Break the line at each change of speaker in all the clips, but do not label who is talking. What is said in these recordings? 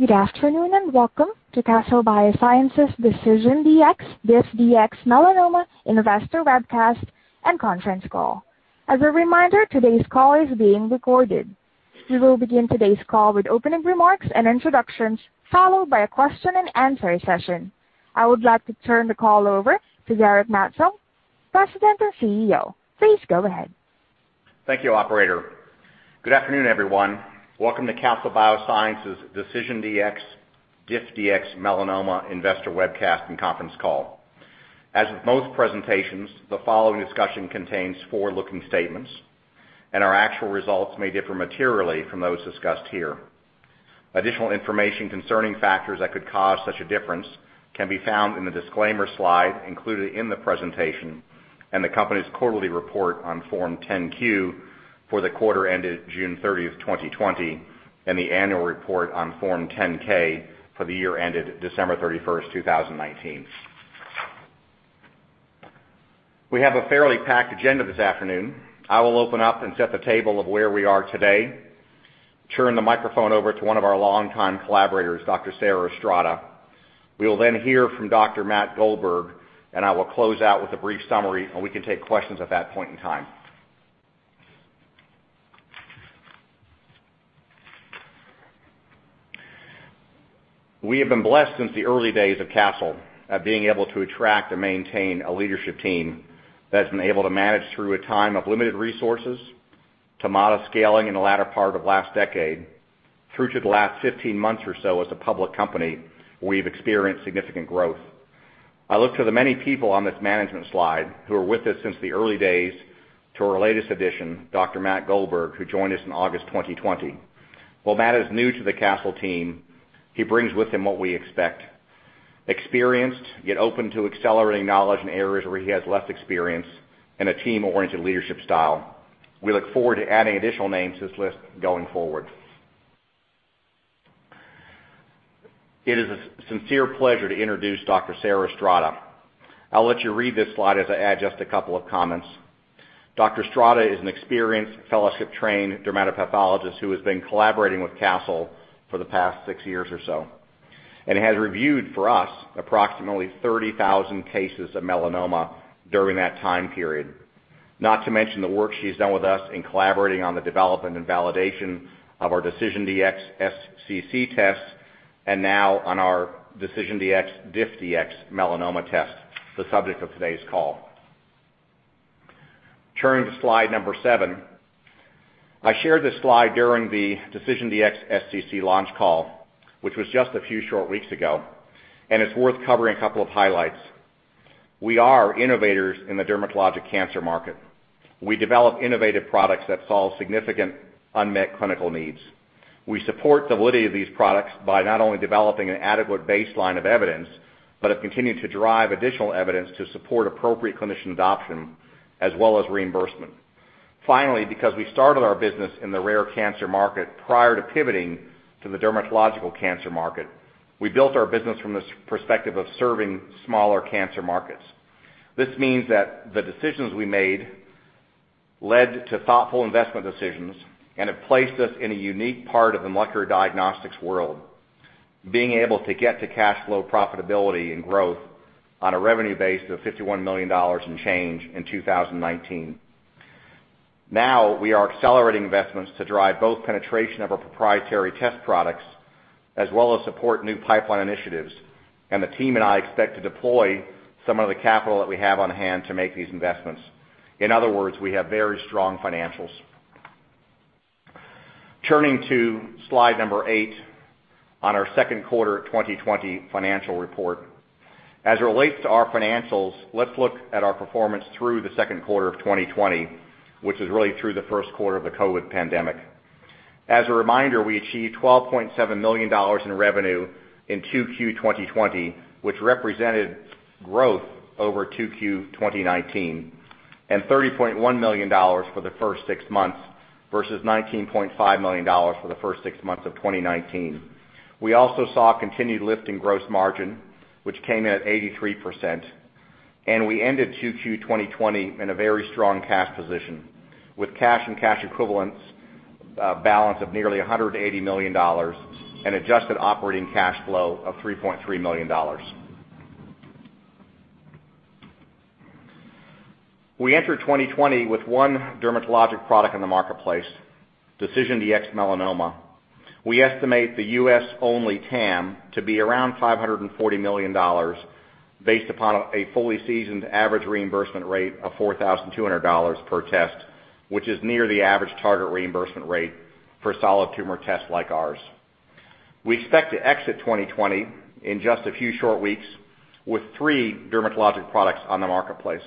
Good afternoon and welcome to Castle Biosciences DecisionDx-Melanoma investor webcast and conference call. As a reminder, today's call is being recorded. We will begin today's call with opening remarks and introductions, followed by a question-and-answer session. I would like to turn the call over to Derek Maetzold, President and CEO. Please go ahead.
Thank you, Operator. Good afternoon, everyone. Welcome to Castle Biosciences DecisionDx-DiffDx-Melanoma investor webcast and conference call. As with most presentations, the following discussion contains forward-looking statements, and our actual results may differ materially from those discussed here. Additional information concerning factors that could cause such a difference can be found in the disclaimer slide included in the presentation and the company's quarterly report on Form 10-Q for the quarter ended June 30th, 2020, and the annual report on Form 10-K for the year ended December 31st, 2019. We have a fairly packed agenda this afternoon. I will open up and set the table of where we are today, turn the microphone over to one of our longtime collaborators, Dr. Sarah Estrada. We will then hear from Dr. Matt Goldberg, and I will close out with a brief summary, and we can take questions at that point in time. We have been blessed since the early days of Castle at being able to attract and maintain a leadership team that's been able to manage through a time of limited resources to modest scaling in the latter part of last decade through to the last 15 months or so as a public company. We've experienced significant growth. I look to the many people on this management slide who are with us since the early days to our latest addition, Dr. Matt Goldberg, who joined us in August 2020. While Matt is new to the Castle team, he brings with him what we expect: experienced, yet open to accelerating knowledge in areas where he has less experience and a team-oriented leadership style. We look forward to adding additional names to this list going forward. It is a sincere pleasure to introduce Dr. Sarah Estrada. I'll let you read this slide as I add just a couple of comments. Dr. Estrada is an experienced fellowship-trained dermatopathologist who has been collaborating with Castle for the past six years or so and has reviewed for us approximately 30,000 cases of melanoma during that time period. Not to mention the work she's done with us in collaborating on the development and validation of our DecisionDx-SCC test and now on our DecisionDx-DiffDx-Melanoma test, the subject of today's call. Turning to slide number seven, I shared this slide during the DecisionDx-SCC launch call, which was just a few short weeks ago, and it's worth covering a couple of highlights. We are innovators in the dermatologic cancer market. We develop innovative products that solve significant unmet clinical needs. We support the validity of these products by not only developing an adequate baseline of evidence, but have continued to drive additional evidence to support appropriate clinician adoption as well as reimbursement. Finally, because we started our business in the rare cancer market prior to pivoting to the dermatological cancer market, we built our business from the perspective of serving smaller cancer markets. This means that the decisions we made led to thoughtful investment decisions and have placed us in a unique part of the molecular diagnostics world, being able to get to cash flow, profitability, and growth on a revenue base of $51 million and change in 2019. Now we are accelerating investments to drive both penetration of our proprietary test products as well as support new pipeline initiatives, and the team and I expect to deploy some of the capital that we have on hand to make these investments. In other words, we have very strong financials. Turning to slide number eight on our second quarter 2020 financial report, as it relates to our financials, let's look at our performance through the second quarter of 2020, which is really through the first quarter of the COVID pandemic. As a reminder, we achieved $12.7 million in revenue in Q2 2020, which represented growth over Q2 2019, and $30.1 million for the first six months versus $19.5 million for the first six months of 2019. We also saw continued lift in gross margin, which came in at 83%, and we ended Q2 2020 in a very strong cash position with cash and cash equivalents balance of nearly $180 million and adjusted operating cash flow of $3.3 million. We entered 2020 with one dermatologic product in the marketplace, DecisionDx-Melanoma. We estimate the US-only TAM to be around $540 million based upon a fully seasoned average reimbursement rate of $4,200 per test, which is near the average target reimbursement rate for solid tumor tests like ours. We expect to exit 2020 in just a few short weeks with three dermatologic products on the marketplace: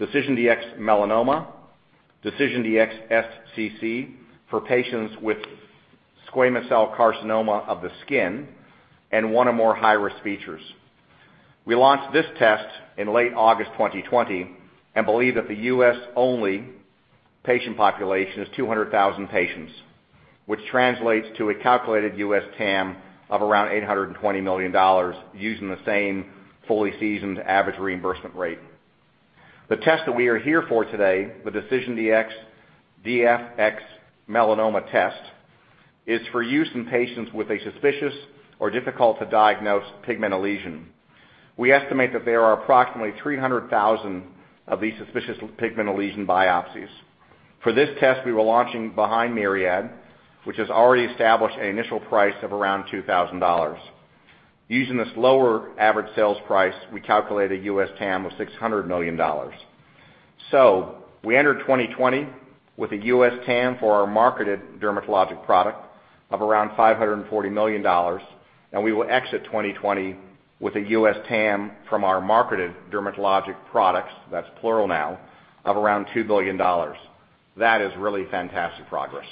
DecisionDx-Melanoma, DecisionDx-SCC for patients with squamous cell carcinoma of the skin, and one or more high-risk features. We launched this test in late August 2020 and believe that the U.S.-only patient population is 200,000 patients, which translates to a calculated U.S. TAM of around $820 million using the same fully seasoned average reimbursement rate. The test that we are here for today, the DecisionDx DiffDx-Melanoma test, is for use in patients with a suspicious or difficult-to-diagnose pigmental lesion. We estimate that there are approximately 300,000 of these suspicious pigmental lesion biopsies. For this test, we were launching behind Myriad, which has already established an initial price of around $2,000. Using this lower average sales price, we calculate a U.S. TAM of $600 million. We entered 2020 with a U.S. TAM for our marketed dermatologic product of around $540 million, and we will exit 2020 with a U.S. TAM from our marketed dermatologic products, that's plural now, of around $2 billion. That is really fantastic progress.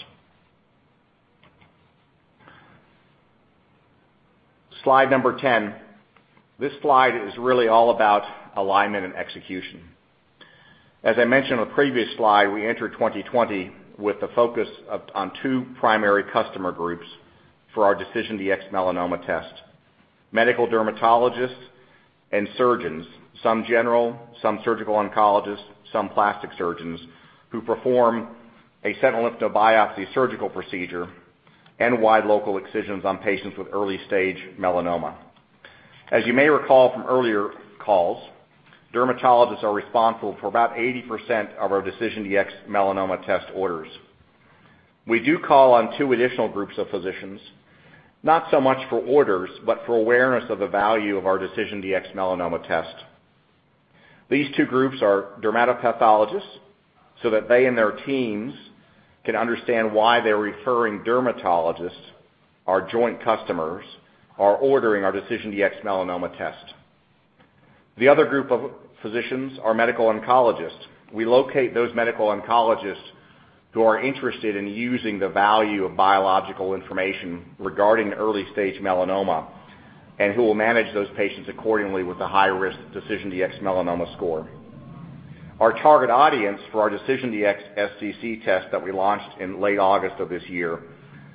Slide number 10. This slide is really all about alignment and execution. As I mentioned on the previous slide, we entered 2020 with the focus on two primary customer groups for our DecisionDx-Melanoma Test: medical dermatologists and surgeons, some general, some surgical oncologists, some plastic surgeons who perform a sentinel lymph node biopsy surgical procedure and wide local excisions on patients with early-stage melanoma. As you may recall from earlier calls, dermatologists are responsible for about 80% of our DecisionDx-Melanoma Test orders. We do call on two additional groups of physicians, not so much for orders, but for awareness of the value of our DecisionDx-Melanoma Test. These two groups are dermatopathologists so that they and their teams can understand why their referring dermatologists, our joint customers, are ordering our DecisionDx-Melanoma Test. The other group of physicians are medical oncologists. We locate those medical oncologists who are interested in using the value of biological information regarding early-stage melanoma and who will manage those patients accordingly with a high-risk DecisionDx-Melanoma score. Our target audience for our DecisionDx-SCC test that we launched in late August of this year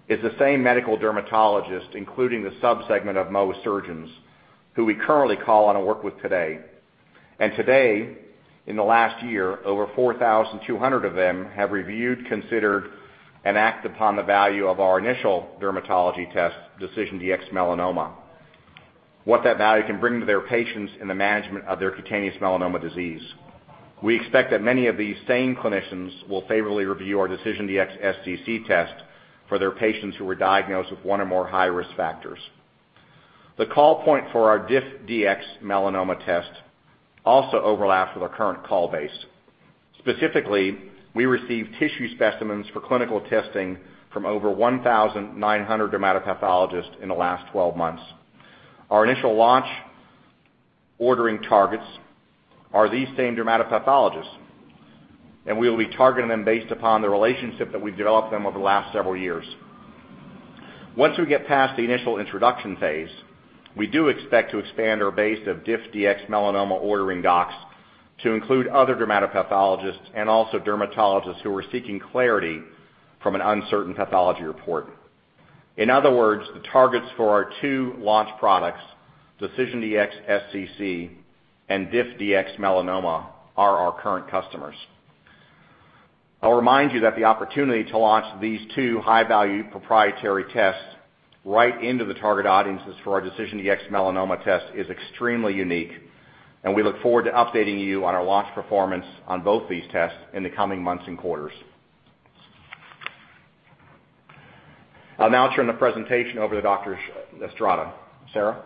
is the same medical dermatologists, including the subsegment of most surgeons who we currently call on and work with today. In the last year, over 4,200 of them have reviewed, considered, and acted upon the value of our initial dermatology test DecisionDx-Melanoma, what that value can bring to their patients in the management of their cutaneous melanoma disease. We expect that many of these same clinicians will favorably review our DecisionDx-SCC test for their patients who were diagnosed with one or more high-risk factors. The call point for our DiffDx-Melanoma test also overlaps with our current call base. Specifically, we received tissue specimens for clinical testing from over 1,900 dermatopathologists in the last 12 months. Our initial launch ordering targets are these same dermatopathologists, and we will be targeting them based upon the relationship that we've developed with them over the last several years. Once we get past the initial introduction phase, we do expect to expand our base of DiffDx-Melanoma ordering docs to include other dermatopathologists and also dermatologists who are seeking clarity from an uncertain pathology report. In other words, the targets for our two launch products, DecisionDx-SCC and DiffDx-Melanoma, are our current customers. I'll remind you that the opportunity to launch these two high-value proprietary tests right into the target audiences for our DecisionDx-Melanoma test is extremely unique, and we look forward to updating you on our launch performance on both these tests in the coming months and quarters. I'll now turn the presentation over to Dr. Estrada. Sarah?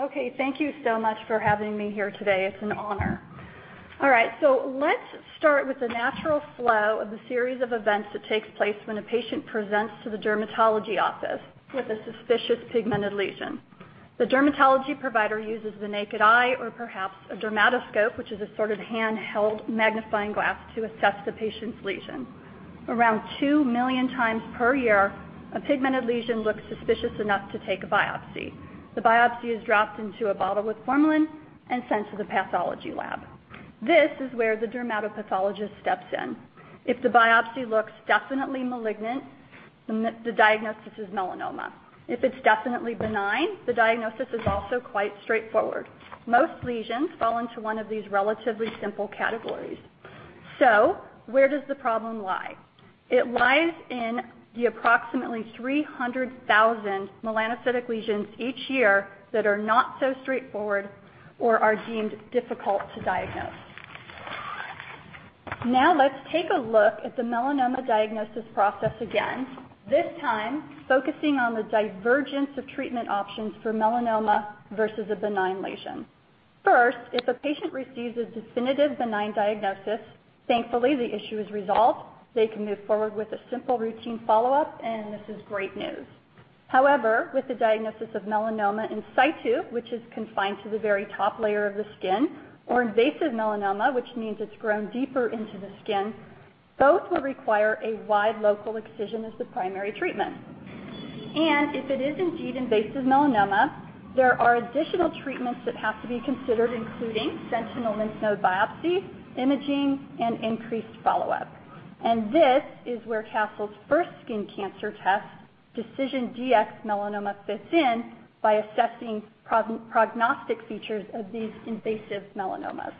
Okay. Thank you so much for having me here today. It's an honor. All right. Let's start with the natural flow of the series of events that takes place when a patient presents to the dermatology office with a suspicious pigmented lesion. The dermatology provider uses the naked eye or perhaps a dermatoscope, which is a sort of handheld magnifying glass, to assess the patient's lesion. Around 2 million times per year, a pigmented lesion looks suspicious enough to take a biopsy. The biopsy is dropped into a bottle with formalin and sent to the pathology lab. This is where the dermatopathologist steps in. If the biopsy looks definitely malignant, the diagnosis is melanoma. If it's definitely benign, the diagnosis is also quite straightforward. Most lesions fall into one of these relatively simple categories. So where does the problem lie? It lies in the approximately 300,000 melanocytic lesions each year that are not so straightforward or are deemed difficult to diagnose. Now let's take a look at the melanoma diagnosis process again, this time focusing on the divergence of treatment options for melanoma versus a benign lesion. First, if a patient receives a definitive benign diagnosis, thankfully the issue is resolved. They can move forward with a simple routine follow-up, and this is great news. However, with the diagnosis of melanoma in situ, which is confined to the very top layer of the skin, or invasive melanoma, which means it's grown deeper into the skin, both will require a wide local excision as the primary treatment. If it is indeed invasive melanoma, there are additional treatments that have to be considered, including sentinel lymph node biopsy, imaging, and increased follow-up. This is where Castle's first skin cancer test, DecisionDx-Melanoma, fits in by assessing prognostic features of these invasive melanomas.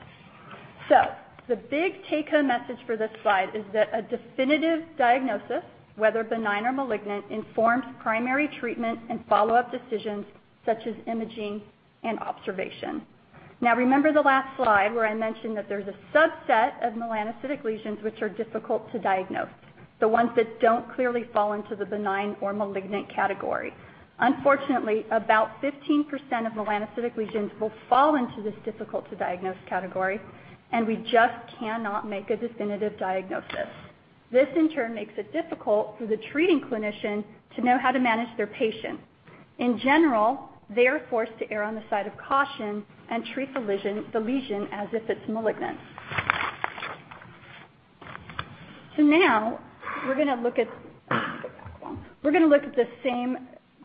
The big take-home message for this slide is that a definitive diagnosis, whether benign or malignant, informs primary treatment and follow-up decisions such as imaging and observation. Remember the last slide where I mentioned that there's a subset of melanocytic lesions which are difficult to diagnose, the ones that don't clearly fall into the benign or malignant category. Unfortunately, about 15% of melanocytic lesions will fall into this difficult-to-diagnose category, and we just cannot make a definitive diagnosis. This, in turn, makes it difficult for the treating clinician to know how to manage their patient. In general, they are forced to err on the side of caution and treat the lesion as if it's malignant. Now we're going to look at the same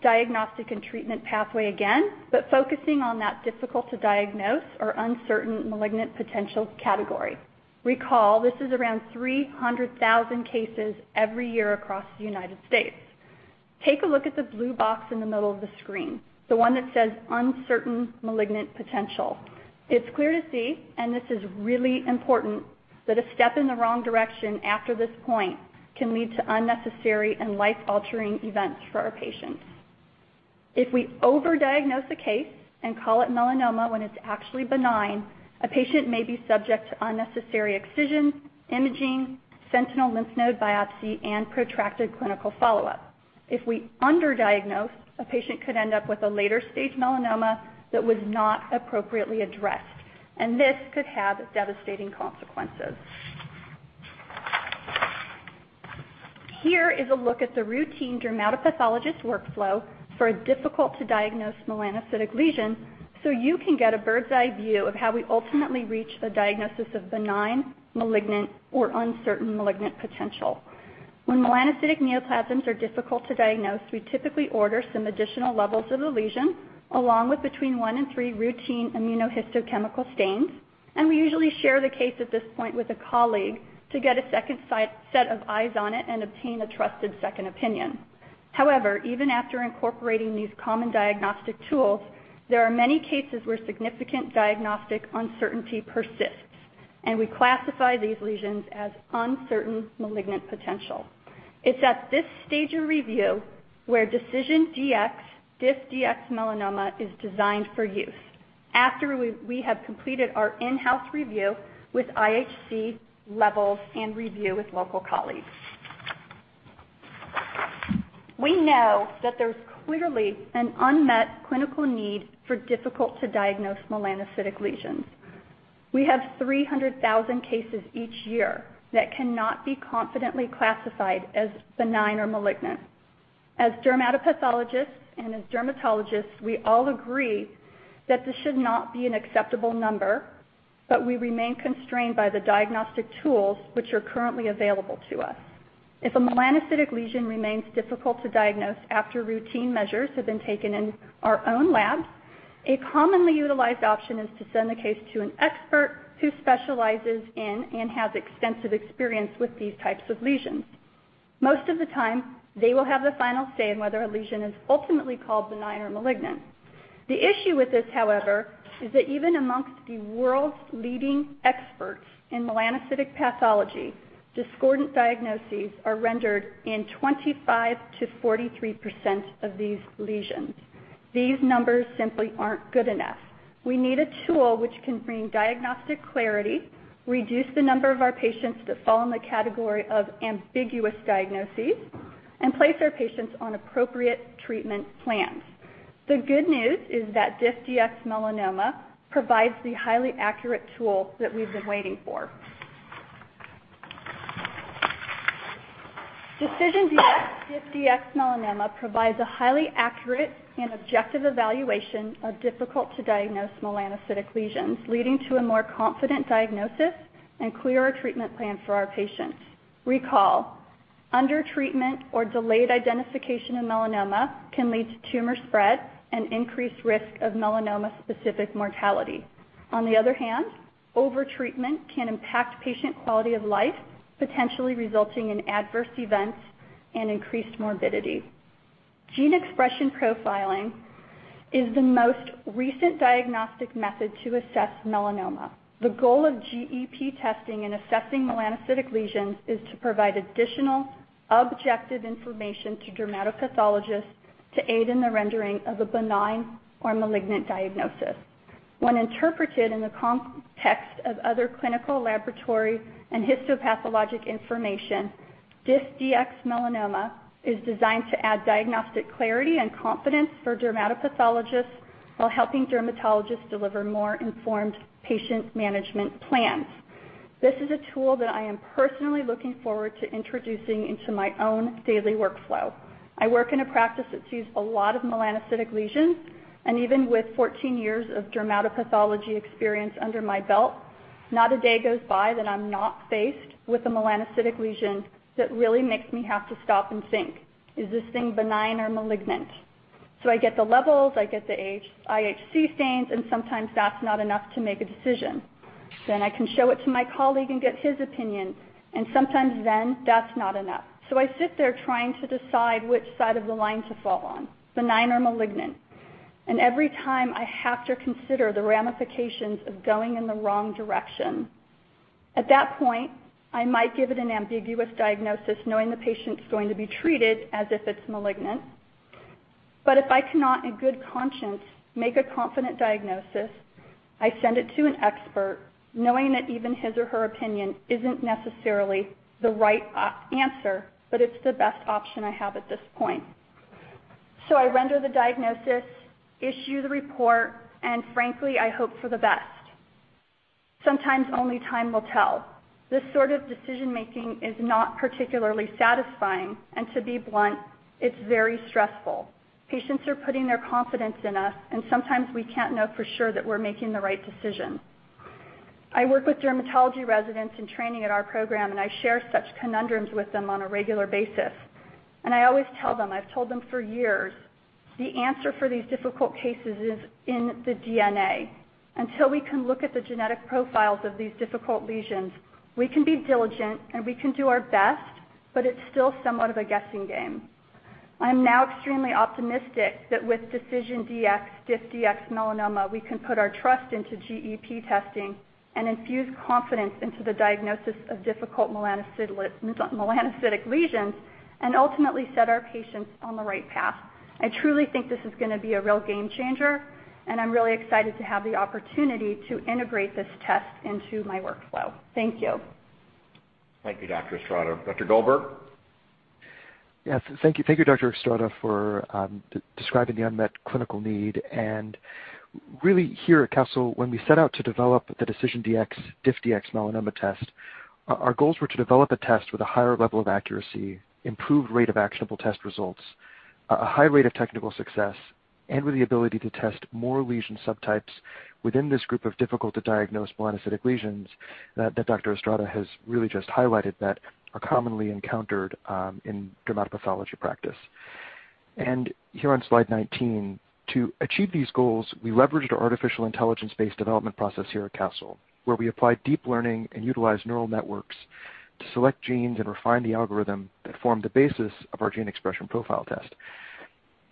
diagnostic and treatment pathway again, but focusing on that difficult-to-diagnose or uncertain malignant potential category. Recall, this is around 300,000 cases every year across the United States. Take a look at the blue box in the middle of the screen, the one that says uncertain malignant potential. It's clear to see, and this is really important, that a step in the wrong direction after this point can lead to unnecessary and life-altering events for our patients. If we overdiagnose a case and call it melanoma when it's actually benign, a patient may be subject to unnecessary excisions, imaging, sentinel lymph node biopsy, and protracted clinical follow-up. If we underdiagnose, a patient could end up with a later-stage melanoma that was not appropriately addressed, and this could have devastating consequences. Here is a look at the routine dermatopathologist workflow for a difficult-to-diagnose melanocytic lesion so you can get a bird's-eye view of how we ultimately reach a diagnosis of benign, malignant, or uncertain malignant potential. When melanocytic neoplasms are difficult to diagnose, we typically order some additional levels of the lesion along with between one and three routine immunohistochemical stains, and we usually share the case at this point with a colleague to get a second set of eyes on it and obtain a trusted second opinion. However, even after incorporating these common diagnostic tools, there are many cases where significant diagnostic uncertainty persists, and we classify these lesions as uncertain malignant potential. It's at this stage of review where DecisionDx DiffDx-Melanoma is designed for use, after we have completed our in-house review with IHC levels and review with local colleagues. We know that there's clearly an unmet clinical need for difficult-to-diagnose melanocytic lesions. We have 300,000 cases each year that cannot be confidently classified as benign or malignant. As dermatopathologists and as dermatologists, we all agree that this should not be an acceptable number, but we remain constrained by the diagnostic tools which are currently available to us. If a melanocytic lesion remains difficult to diagnose after routine measures have been taken in our own labs, a commonly utilized option is to send the case to an expert who specializes in and has extensive experience with these types of lesions. Most of the time, they will have the final say in whether a lesion is ultimately called benign or malignant. The issue with this, however, is that even amongst the world's leading experts in melanocytic pathology, discordant diagnoses are rendered in 25%-43% of these lesions. These numbers simply aren't good enough. We need a tool which can bring diagnostic clarity, reduce the number of our patients that fall in the category of ambiguous diagnoses, and place our patients on appropriate treatment plans. The good news is that DiffDx-Melanoma provides the highly accurate tool that we've been waiting for. DecisionDx DiffDx-Melanoma provides a highly accurate and objective evaluation of difficult-to-diagnose melanocytic lesions, leading to a more confident diagnosis and clearer treatment plan for our patients. Recall, under-treatment or delayed identification of melanoma can lead to tumor spread and increased risk of melanoma-specific mortality. On the other hand, over-treatment can impact patient quality of life, potentially resulting in adverse events and increased morbidity. Gene expression profiling is the most recent diagnostic method to assess melanoma. The goal of GEP testing in assessing melanocytic lesions is to provide additional objective information to dermatopathologists to aid in the rendering of a benign or malignant diagnosis. When interpreted in the context of other clinical, laboratory, and histopathologic information, DiffDx-Melanoma is designed to add diagnostic clarity and confidence for dermatopathologists while helping dermatologists deliver more informed patient management plans. This is a tool that I am personally looking forward to introducing into my own daily workflow. I work in a practice that sees a lot of melanocytic lesions, and even with 14 years of dermatopathology experience under my belt, not a day goes by that I'm not faced with a melanocytic lesion that really makes me have to stop and think, "Is this thing benign or malignant?" I get the levels, I get the IHC stains, and sometimes that's not enough to make a decision. I can show it to my colleague and get his opinion, and sometimes that's not enough. I sit there trying to decide which side of the line to fall on, benign or malignant. Every time I have to consider the ramifications of going in the wrong direction. At that point, I might give it an ambiguous diagnosis, knowing the patient's going to be treated as if it's malignant. If I cannot, in good conscience, make a confident diagnosis, I send it to an expert, knowing that even his or her opinion isn't necessarily the right answer, but it's the best option I have at this point. I render the diagnosis, issue the report, and frankly, I hope for the best. Sometimes only time will tell. This sort of decision-making is not particularly satisfying, and to be blunt, it's very stressful. Patients are putting their confidence in us, and sometimes we can't know for sure that we're making the right decision. I work with dermatology residents in training at our program, and I share such conundrums with them on a regular basis. I always tell them, I've told them for years, the answer for these difficult cases is in the DNA. Until we can look at the genetic profiles of these difficult lesions, we can be diligent, and we can do our best, but it's still somewhat of a guessing game. I'm now extremely optimistic that with DecisionDx DiffDx-Melanoma, we can put our trust into GEP testing and infuse confidence into the diagnosis of difficult melanocytic lesions and ultimately set our patients on the right path. I truly think this is going to be a real game changer, and I'm really excited to have the opportunity to integrate this test into my workflow. Thank you.
Thank you, Dr. Estrada. Dr. Goldberg?
Yes. Thank you. Thank you, Dr. Estrada, for describing the unmet clinical need. Really here at Castle, when we set out to develop the DecisionDx DiffDx-Melanoma test, our goals were to develop a test with a higher level of accuracy, improved rate of actionable test results, a high rate of technical success, and with the ability to test more lesion subtypes within this group of difficult-to-diagnose melanocytic lesions that Dr. Estrada has really just highlighted that are commonly encountered in dermatopathology practice. Here on slide 19, to achieve these goals, we leveraged our artificial intelligence-based development process here at Castle, where we applied deep learning and utilized neural networks to select genes and refine the algorithm that formed the basis of our gene expression profile test.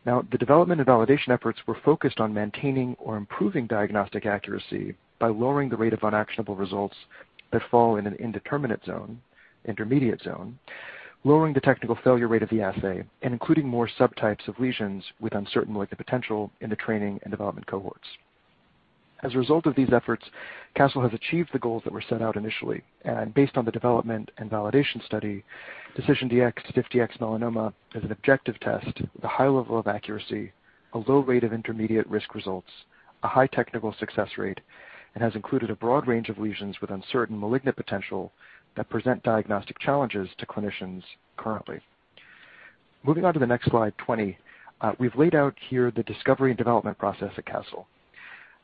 Now, the development and validation efforts were focused on maintaining or improving diagnostic accuracy by lowering the rate of unactionable results that fall in an indeterminate zone, intermediate zone, lowering the technical failure rate of the assay, and including more subtypes of lesions with uncertain malignant potential in the training and development cohorts. As a result of these efforts, Castle has achieved the goals that were set out initially. Based on the development and validation study, DecisionDx DiffDx-Melanoma is an objective test with a high level of accuracy, a low rate of intermediate risk results, a high technical success rate, and has included a broad range of lesions with uncertain malignant potential that present diagnostic challenges to clinicians currently. Moving on to the next slide, 20, we've laid out here the discovery and development process at Castle.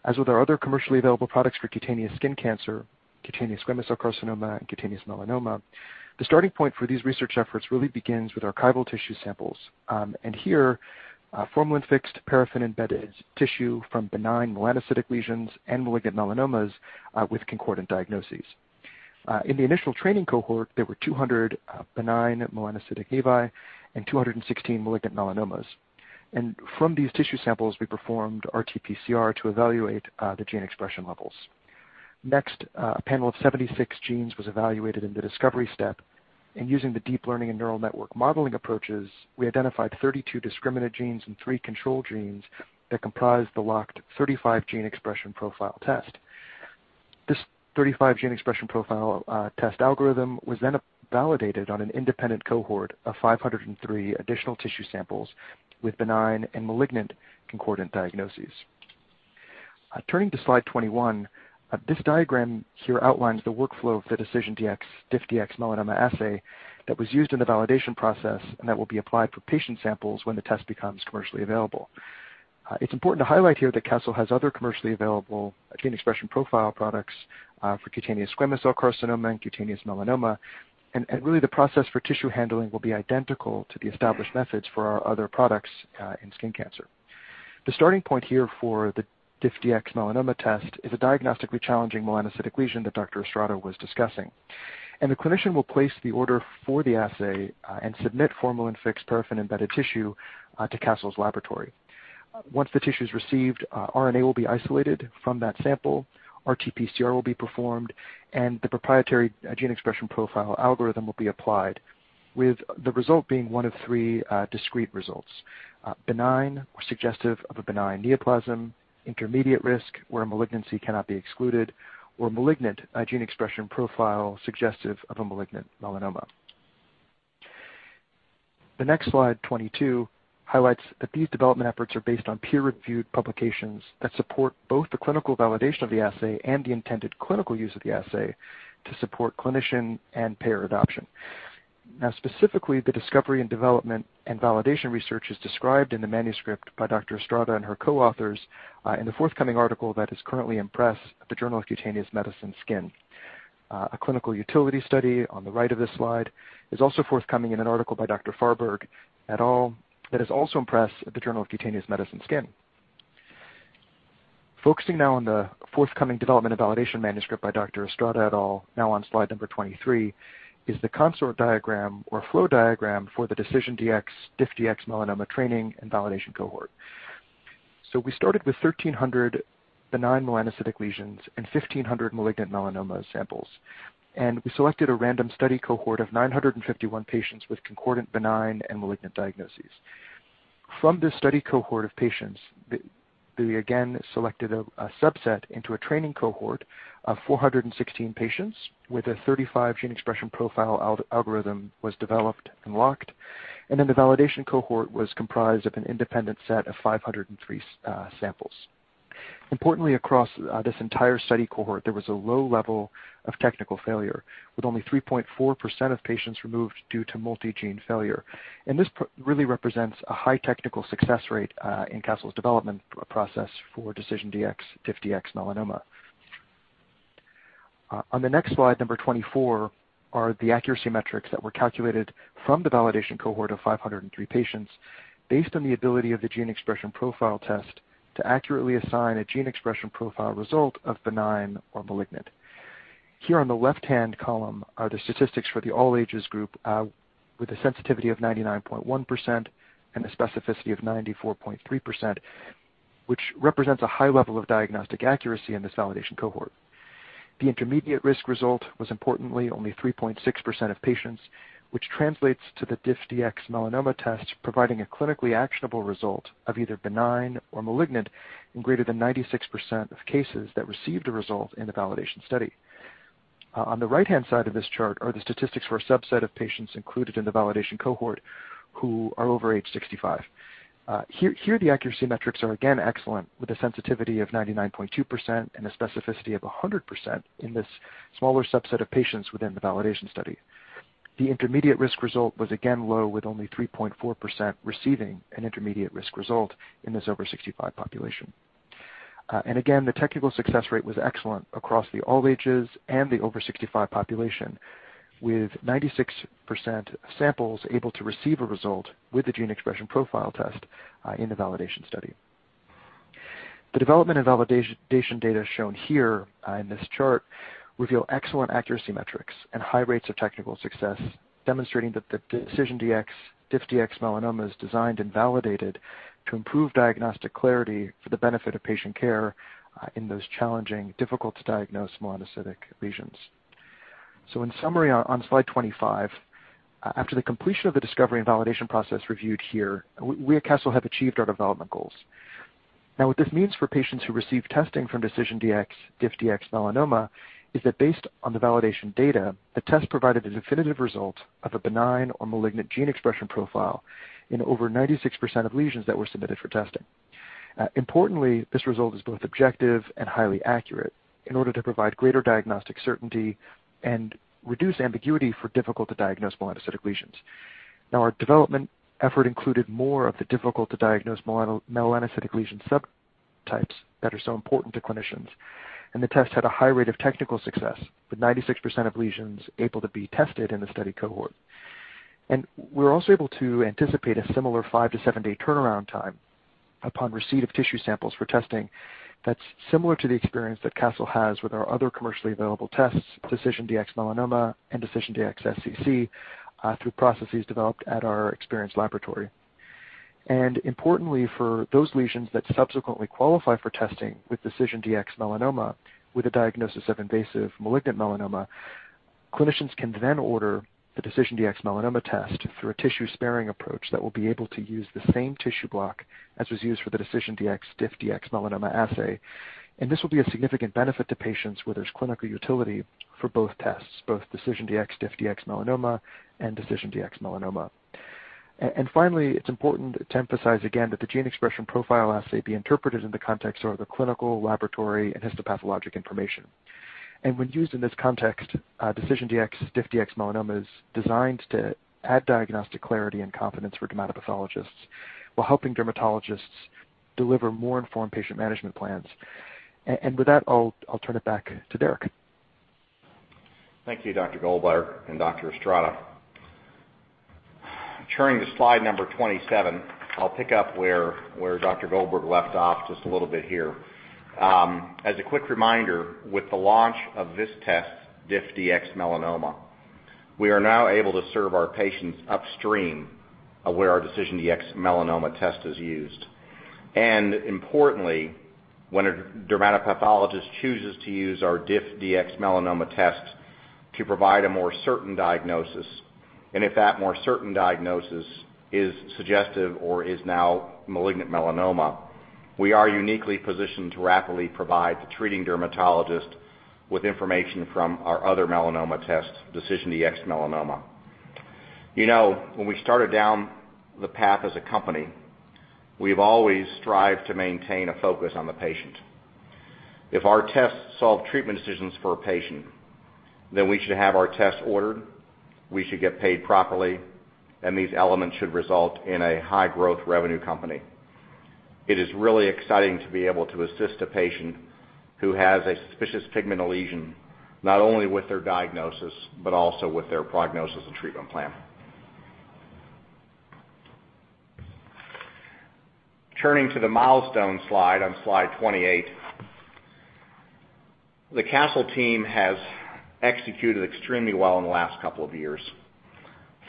As with our other commercially available products for cutaneous skin cancer, cutaneous squamous cell carcinoma, and cutaneous melanoma, the starting point for these research efforts really begins with archival tissue samples. Here, formalin-fixed paraffin-embedded tissue from benign melanocytic lesions and malignant melanomas with concordant diagnoses. In the initial training cohort, there were 200 benign melanocytic nevi and 216 malignant melanomas. From these tissue samples, we performed RT-PCR to evaluate the gene expression levels. Next, a panel of 76 genes was evaluated in the discovery step. Using the deep learning and neural network modeling approaches, we identified 32 discriminant genes and 3 control genes that comprised the locked 35 gene expression profile test. This 35 gene expression profile test algorithm was then validated on an independent cohort of 503 additional tissue samples with benign and malignant concordant diagnoses. Turning to slide 21, this diagram here outlines the workflow of the DecisionDx DiffDx-Melanoma assay that was used in the validation process and that will be applied for patient samples when the test becomes commercially available. It's important to highlight here that Castle has other commercially available gene expression profile products for cutaneous squamous cell carcinoma and cutaneous melanoma. Really, the process for tissue handling will be identical to the established methods for our other products in skin cancer. The starting point here for the DiffDx-Melanoma test is a diagnostically challenging melanocytic lesion that Dr. Estrada was discussing. The clinician will place the order for the assay and submit formalin-fixed paraffin-embedded tissue to Castle's laboratory. Once the tissue is received, RNA will be isolated from that sample, RT-PCR will be performed, and the proprietary gene expression profile algorithm will be applied, with the result being one of three discrete results: benign or suggestive of a benign neoplasm, intermediate risk where a malignancy cannot be excluded, or malignant gene expression profile suggestive of a malignant melanoma. The next slide, 22, highlights that these development efforts are based on peer-reviewed publications that support both the clinical validation of the assay and the intended clinical use of the assay to support clinician and payer adoption. Now, specifically, the discovery and development and validation research is described in the manuscript by Dr. Estrada and her co-authors in the forthcoming article that is currently in press at the Journal of Cutaneous Medicine Skin. A clinical utility study on the right of this slide is also forthcoming in an article by Dr. Farberg et al. that is also in press at the Journal of Cutaneous Medicine SKIN. Focusing now on the forthcoming development and validation manuscript by Dr. Estrada et al., now on slide number 23, is the consort diagram or flow diagram for the DecisionDx DiffDx-Melanoma training and validation cohort. We started with 1,300 benign melanocytic lesions and 1,500 malignant melanoma samples. We selected a random study cohort of 951 patients with concordant benign and malignant diagnoses. From this study cohort of patients, we again selected a subset into a training cohort of 416 patients with a 35 gene expression profile algorithm that was developed and locked. The validation cohort was comprised of an independent set of 503 samples. Importantly, across this entire study cohort, there was a low level of technical failure, with only 3.4% of patients removed due to multi-gene failure. This really represents a high technical success rate in Castle's development process for DecisionDx DiffDx-Melanoma. On the next slide, number 24, are the accuracy metrics that were calculated from the validation cohort of 503 patients based on the ability of the gene expression profile test to accurately assign a gene expression profile result of benign or malignant. Here on the left-hand column are the statistics for the all-ages group with a sensitivity of 99.1% and a specificity of 94.3%, which represents a high level of diagnostic accuracy in this validation cohort. The intermediate risk result was, importantly, only 3.6% of patients, which translates to the DiffDx-Melanoma test providing a clinically actionable result of either benign or malignant in greater than 96% of cases that received a result in the validation study. On the right-hand side of this chart are the statistics for a subset of patients included in the validation cohort who are over age 65. Here, the accuracy metrics are again excellent, with a sensitivity of 99.2% and a specificity of 100% in this smaller subset of patients within the validation study. The intermediate risk result was again low, with only 3.4% receiving an intermediate risk result in this over-65 population. The technical success rate was excellent across the all-ages and the over-65 population, with 96% of samples able to receive a result with the gene expression profile test in the validation study. The development and validation data shown here in this chart reveal excellent accuracy metrics and high rates of technical success, demonstrating that the DecisionDx DiffDx-Melanoma is designed and validated to improve diagnostic clarity for the benefit of patient care in those challenging, difficult-to-diagnose melanocytic lesions. In summary, on slide 25, after the completion of the discovery and validation process reviewed here, we at Castle have achieved our development goals. Now, what this means for patients who received testing from DecisionDx DiffDx-Melanoma is that based on the validation data, the test provided a definitive result of a benign or malignant gene expression profile in over 96% of lesions that were submitted for testing. Importantly, this result is both objective and highly accurate in order to provide greater diagnostic certainty and reduce ambiguity for difficult-to-diagnose melanocytic lesions. Now, our development effort included more of the difficult-to-diagnose melanocytic lesion subtypes that are so important to clinicians. The test had a high rate of technical success, with 96% of lesions able to be tested in the study cohort. We were also able to anticipate a similar five to seven-day turnaround time upon receipt of tissue samples for testing that's similar to the experience that Castle has with our other commercially available tests, DecisionDx-Melanoma and DecisionDx-SCC, through processes developed at our experienced laboratory. Importantly, for those lesions that subsequently qualify for testing with DecisionDx-Melanoma with a diagnosis of invasive malignant melanoma, clinicians can then order the DecisionDx-Melanoma test through a tissue-sparing approach that will be able to use the same tissue block as was used for the DecisionDx DiffDx-Melanoma assay. This will be a significant benefit to patients where there's clinical utility for both tests, both DecisionDx DiffDx-Melanoma and DecisionDx-Melanoma. Finally, it's important to emphasize again that the gene expression profile assay be interpreted in the context of the clinical, laboratory, and histopathologic information. When used in this context, DecisionDx DiffDx-Melanoma is designed to add diagnostic clarity and confidence for dermatopathologists while helping dermatologists deliver more informed patient management plans. With that, I'll turn it back to Derek.
Thank you, Dr. Goldberg and Dr. Estrada. Turning to slide number 27, I'll pick up where Dr. Goldberg left off just a little bit here. As a quick reminder, with the launch of this test, DiffDx-Melanoma, we are now able to serve our patients upstream of where our DecisionDx-Melanoma test is used. Importantly, when a dermatopathologist chooses to use our DiffDx-Melanoma test to provide a more certain diagnosis, and if that more certain diagnosis is suggestive or is now malignant melanoma, we are uniquely positioned to rapidly provide the treating dermatologist with information from our other melanoma tests, DecisionDx-Melanoma. You know, when we started down the path as a company, we've always strived to maintain a focus on the patient. If our tests solve treatment decisions for a patient, then we should have our tests ordered, we should get paid properly, and these elements should result in a high-growth revenue company. It is really exciting to be able to assist a patient who has a suspicious pigmental lesion not only with their diagnosis but also with their prognosis and treatment plan. Turning to the milestone slide on slide 28, the Castle team has executed extremely well in the last couple of years,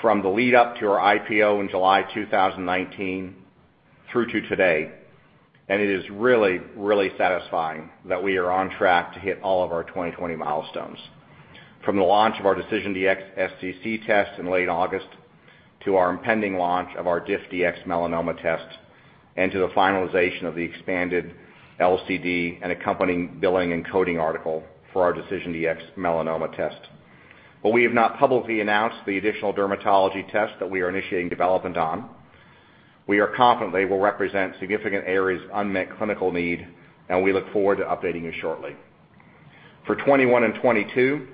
from the lead-up to our IPO in July 2019 through to today. It is really, really satisfying that we are on track to hit all of our 2020 milestones, from the launch of our DecisionDx-SCC test in late August to our impending launch of our DiffDx-Melanoma test and to the finalization of the expanded LCD and accompanying billing and coding article for our DecisionDx-Melanoma test. We have not publicly announced the additional dermatology tests that we are initiating development on. We are confident they will represent significant areas of unmet clinical need, and we look forward to updating you shortly. For 2021 and 2022,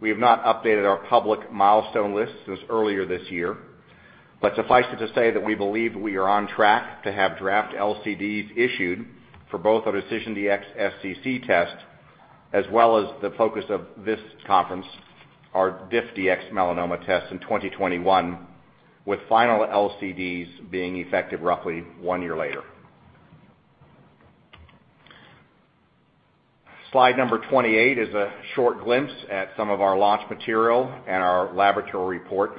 we have not updated our public milestone list since earlier this year. Suffice it to say that we believe we are on track to have draft LCDs issued for both our DecisionDx-SCC tests, as well as the focus of this conference, our DiffDx-Melanoma tests in 2021, with final LCDs being effective roughly one year later. Slide number 28 is a short glimpse at some of our launch material and our laboratory reports.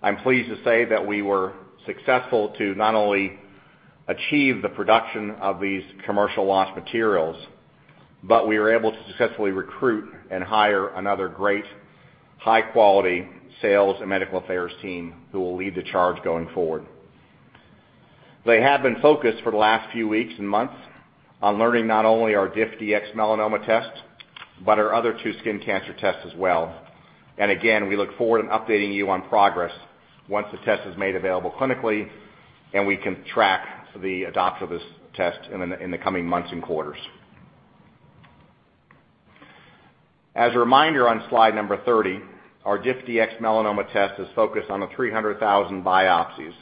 I'm pleased to say that we were successful to not only achieve the production of these commercial launch materials, but we were able to successfully recruit and hire another great, high-quality sales and medical affairs team who will lead the charge going forward. They have been focused for the last few weeks and months on learning not only our DiffDx-Melanoma test but our other two skin cancer tests as well. We look forward to updating you on progress once the test is made available clinically and we can track the adoption of this test in the coming months and quarters. As a reminder, on slide number 30, our DiffDx-Melanoma test is focused on the 300,000 biopsies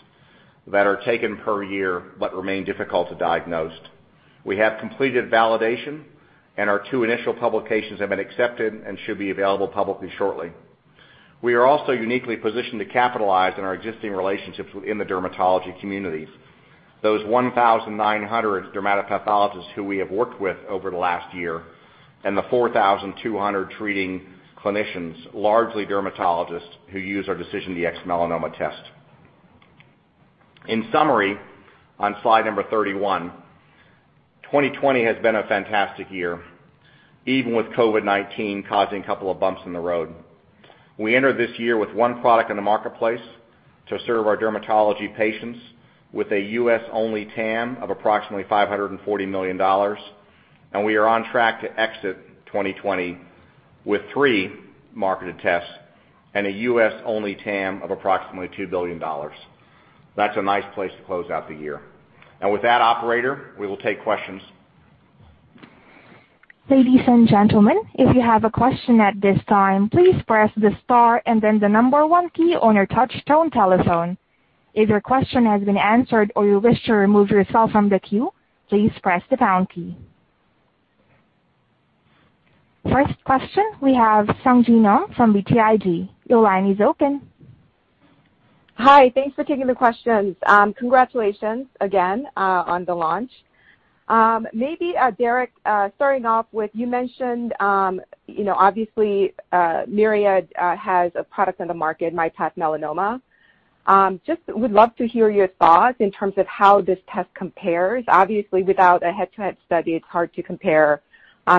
that are taken per year but remain difficult to diagnose. We have completed validation, and our two initial publications have been accepted and should be available publicly shortly. We are also uniquely positioned to capitalize on our existing relationships within the dermatology community, those 1,900 dermatopathologists who we have worked with over the last year and the 4,200 treating clinicians, largely dermatologists, who use our DecisionDx-Melanoma test. In summary, on slide number 31, 2020 has been a fantastic year, even with COVID-19 causing a couple of bumps in the road. We entered this year with one product in the marketplace to serve our dermatology patients with a U.S.-only TAM of approximately $540 million, and we are on track to exit 2020 with three marketed tests and a U.S.-only TAM of approximately $2 billion. That is a nice place to close out the year. With that, Operator, we will take questions.
Ladies and gentlemen, if you have a question at this time, please press the star and then the number one key on your touch-tone telephone. If your question has been answered or you wish to remove yourself from the queue, please press the pound key. First question, we have Sung Ji Nam from BTIG. Your line is open.
Hi. Thanks for taking the questions. Congratulations again on the launch. Maybe Derek, starting off with, you mentioned, obviously, Myriad has a product on the market, MyPath Melanoma. Just would love to hear your thoughts in terms of how this test compares. Obviously, without a head-to-head study, it's hard to compare.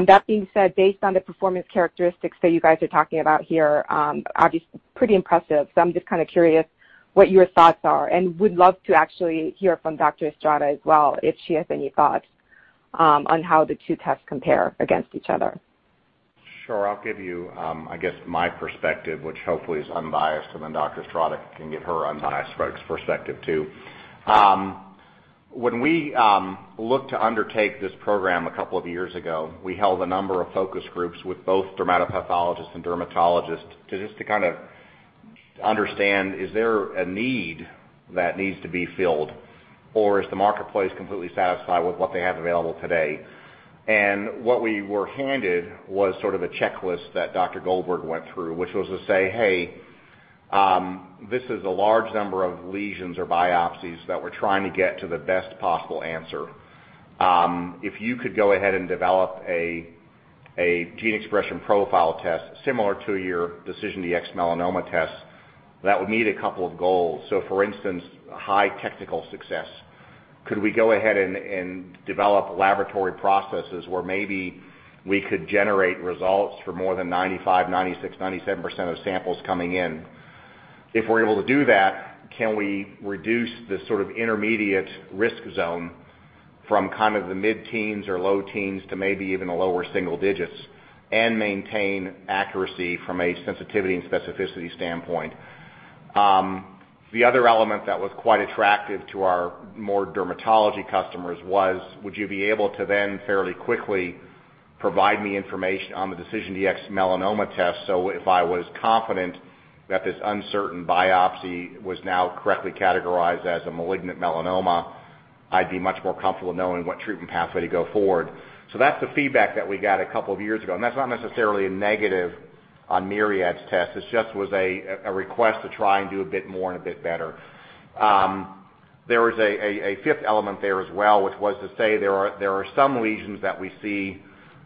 That being said, based on the performance characteristics that you guys are talking about here, obviously, pretty impressive. I'm just kind of curious what your thoughts are. Would love to actually hear from Dr. Estrada as well if she has any thoughts on how the two tests compare against each other.
Sure. I'll give you, I guess, my perspective, which hopefully is unbiased, and then Dr. Estrada can give her unbiased perspective too. When we looked to undertake this program a couple of years ago, we held a number of focus groups with both dermatopathologists and dermatologists just to kind of understand, is there a need that needs to be filled, or is the marketplace completely satisfied with what they have available today? What we were handed was sort of a checklist that Dr. Goldberg went through, which was to say, "Hey, this is a large number of lesions or biopsies that we're trying to get to the best possible answer. If you could go ahead and develop a gene expression profile test similar to your DecisionDx-Melanoma test, that would meet a couple of goals." For instance, high technical success. Could we go ahead and develop laboratory processes where maybe we could generate results for more than 95%, 96%, 97% of samples coming in? If we're able to do that, can we reduce the sort of intermediate risk zone from kind of the mid-teens or low-teens to maybe even the lower single digits and maintain accuracy from a sensitivity and specificity standpoint? The other element that was quite attractive to our more dermatology customers was, would you be able to then fairly quickly provide me information on the DecisionDx-Melanoma test so if I was confident that this uncertain biopsy was now correctly categorized as a malignant melanoma, I'd be much more comfortable knowing what treatment pathway to go forward? That's the feedback that we got a couple of years ago. That's not necessarily a negative on Myriad's test. It just was a request to try and do a bit more and a bit better. There was a fifth element there as well, which was to say there are some lesions that we see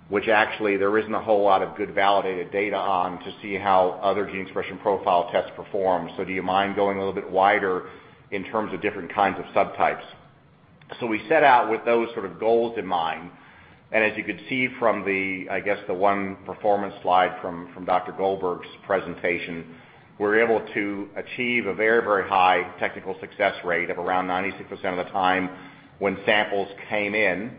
which actually there isn't a whole lot of good validated data on to see how other gene expression profile tests perform. Do you mind going a little bit wider in terms of different kinds of subtypes? We set out with those sort of goals in mind. As you could see from the, I guess, the one performance slide from Dr. Goldberg's presentation, we were able to achieve a very, very high technical success rate of around 96% of the time when samples came in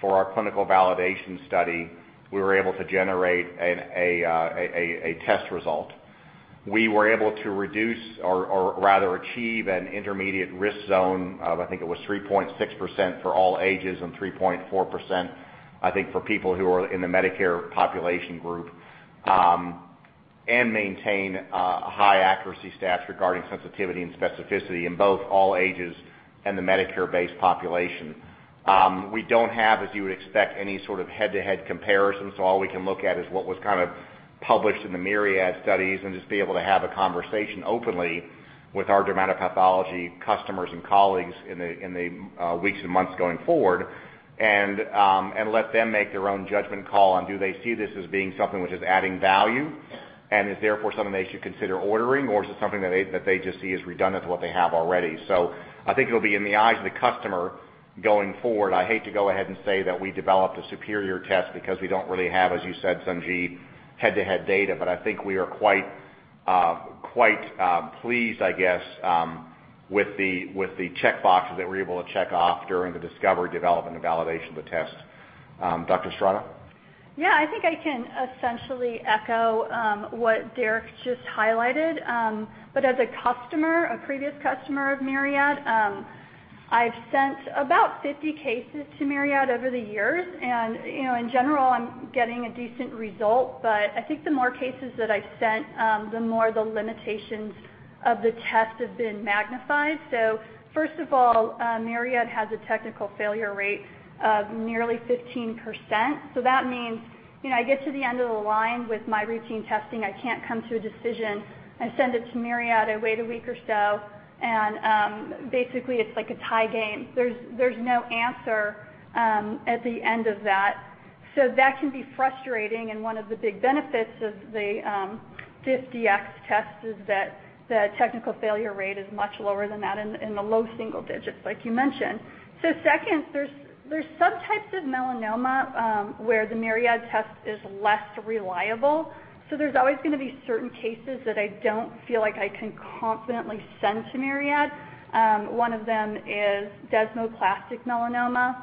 for our clinical validation study, we were able to generate a test result. We were able to reduce or rather achieve an intermediate risk zone of, I think it was 3.6% for all ages and 3.4%, I think, for people who are in the Medicare population group, and maintain high accuracy stats regarding sensitivity and specificity in both all ages and the Medicare-based population. We do not have, as you would expect, any sort of head-to-head comparison. All we can look at is what was kind of published in the Myriad studies and just be able to have a conversation openly with our dermatopathology customers and colleagues in the weeks and months going forward and let them make their own judgment call on, do they see this as being something which is adding value and is therefore something they should consider ordering, or is it something that they just see as redundant to what they have already? I think it'll be in the eyes of the customer going forward. I hate to go ahead and say that we developed a superior test because we don't really have, as you said, Sung Ji, head-to-head data. I think we are quite pleased, I guess, with the checkboxes that we're able to check off during the discovery, development, and validation of the test. Dr. Estrada?
Yeah. I think I can essentially echo what Derek just highlighted. As a customer, a previous customer of Myriad, I've sent about 50 cases to Myriad over the years. In general, I'm getting a decent result. I think the more cases that I've sent, the more the limitations of the test have been magnified. First of all, Myriad has a technical failure rate of nearly 15%. That means I get to the end of the line with my routine testing, I can't come to a decision, I send it to Myriad, I wait a week or so, and basically it's like a tie game. There's no answer at the end of that. That can be frustrating. One of the big benefits of the DiffDx test is that the technical failure rate is much lower, in the low single digits, like you mentioned. Second, there are subtypes of melanoma where the Myriad test is less reliable. There are always going to be certain cases that I do not feel like I can confidently send to Myriad. One of them is desmoplastic melanoma.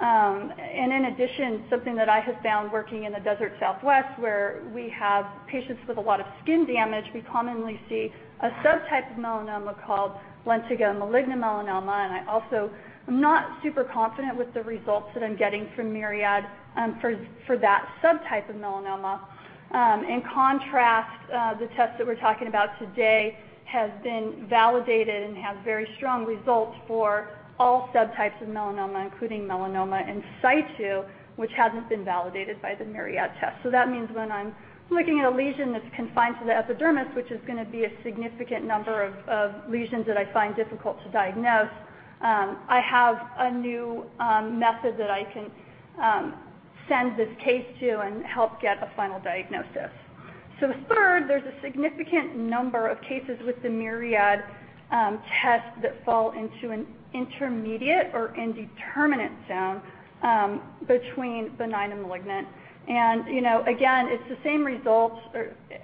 In addition, something that I have found working in the Desert Southwest where we have patients with a lot of skin damage, we commonly see a subtype of melanoma called lentigo maligna melanoma. I also am not super confident with the results that I am getting from Myriad for that subtype of melanoma. In contrast, the test that we're talking about today has been validated and has very strong results for all subtypes of melanoma, including melanoma in situ, which hasn't been validated by the Myriad test. That means when I'm looking at a lesion that's confined to the epidermis, which is going to be a significant number of lesions that I find difficult to diagnose, I have a new method that I can send this case to and help get a final diagnosis. Third, there's a significant number of cases with the Myriad test that fall into an intermediate or indeterminate zone between benign and malignant. Again, it's the same result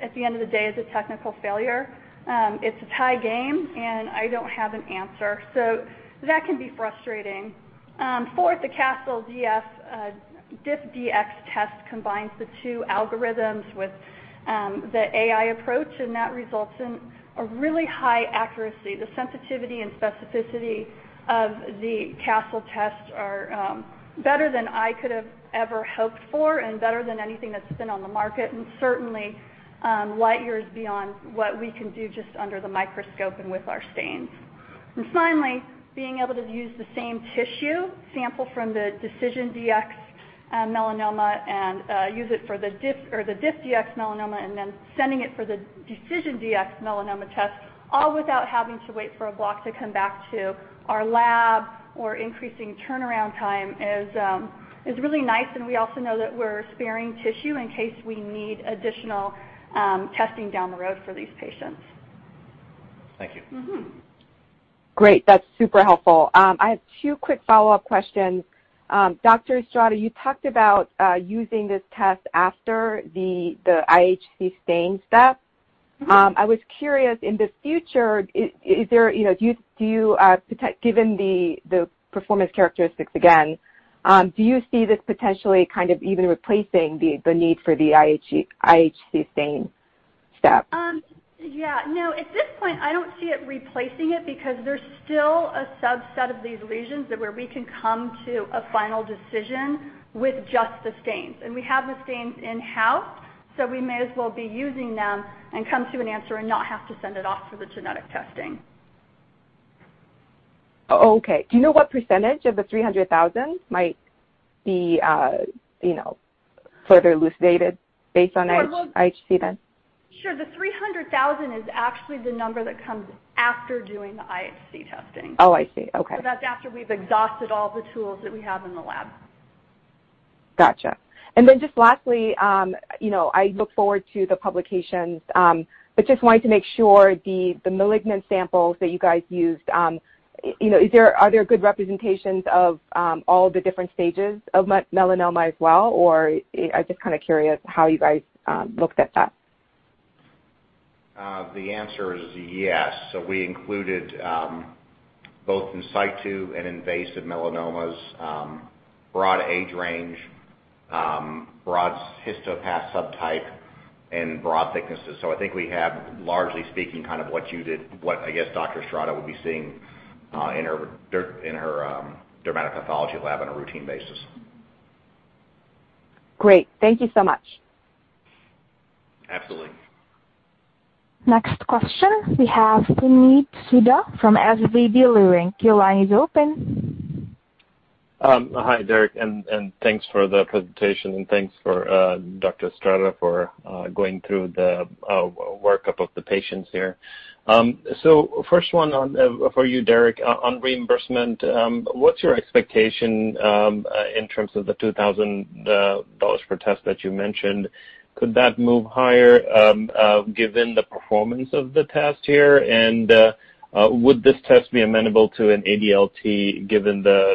at the end of the day as a technical failure. It's a tie game, and I don't have an answer. That can be frustrating. Fourth, the Castle DiffDx test combines the two algorithms with the AI approach, and that results in a really high accuracy. The sensitivity and specificity of the Castle test are better than I could have ever hoped for and better than anything that's been on the market and certainly light years beyond what we can do just under the microscope and with our stains. Finally, being able to use the same tissue sample from the DecisionDx-Melanoma and use it for the DiffDx-Melanoma and then sending it for the DecisionDx-Melanoma test, all without having to wait for a block to come back to our lab or increasing turnaround time is really nice. We also know that we're sparing tissue in case we need additional testing down the road for these patients.
Thank you.
Great. That's super helpful. I have two quick follow-up questions. Dr. Estrada, you talked about using this test after the IHC stains step. I was curious, in the future, do you, given the performance characteristics again, do you see this potentially kind of even replacing the need for the IHC stain step?
Yeah. No, at this point, I don't see it replacing it because there's still a subset of these lesions where we can come to a final decision with just the stains. We have the stains in-house, so we may as well be using them and come to an answer and not have to send it off for the genetic testing.
Oh, okay. Do you know what percentage of the 300,000 might be further elucidated based on IHC then?
Sure. The 300,000 is actually the number that comes after doing the IHC testing.
Oh, I see. Okay.
That's after we've exhausted all the tools that we have in the lab.
Gotcha. Lastly, I look forward to the publications, but just wanted to make sure the malignant samples that you guys used, are there good representations of all the different stages of melanoma as well? I'm just kind of curious how you guys looked at that.
The answer is yes. We included both in situ and invasive melanomas, broad age range, broad histopath subtype, and broad thicknesses. I think we have, largely speaking, kind of what you did, what I guess Dr. Estrada would be seeing in her dermatopathology lab on a routine basis.
Great. Thank you so much.
Absolutely.
Next question, we have Puneet Souda from SVB Leerink. Your line is open.
Hi, Derek. Thanks for the presentation and thanks to Dr. Estrada for going through the workup of the patients here. First one for you, Derek, on reimbursement, what's your expectation in terms of the $2,000 per test that you mentioned? Could that move higher given the performance of the test here? Would this test be amenable to an ADLT given the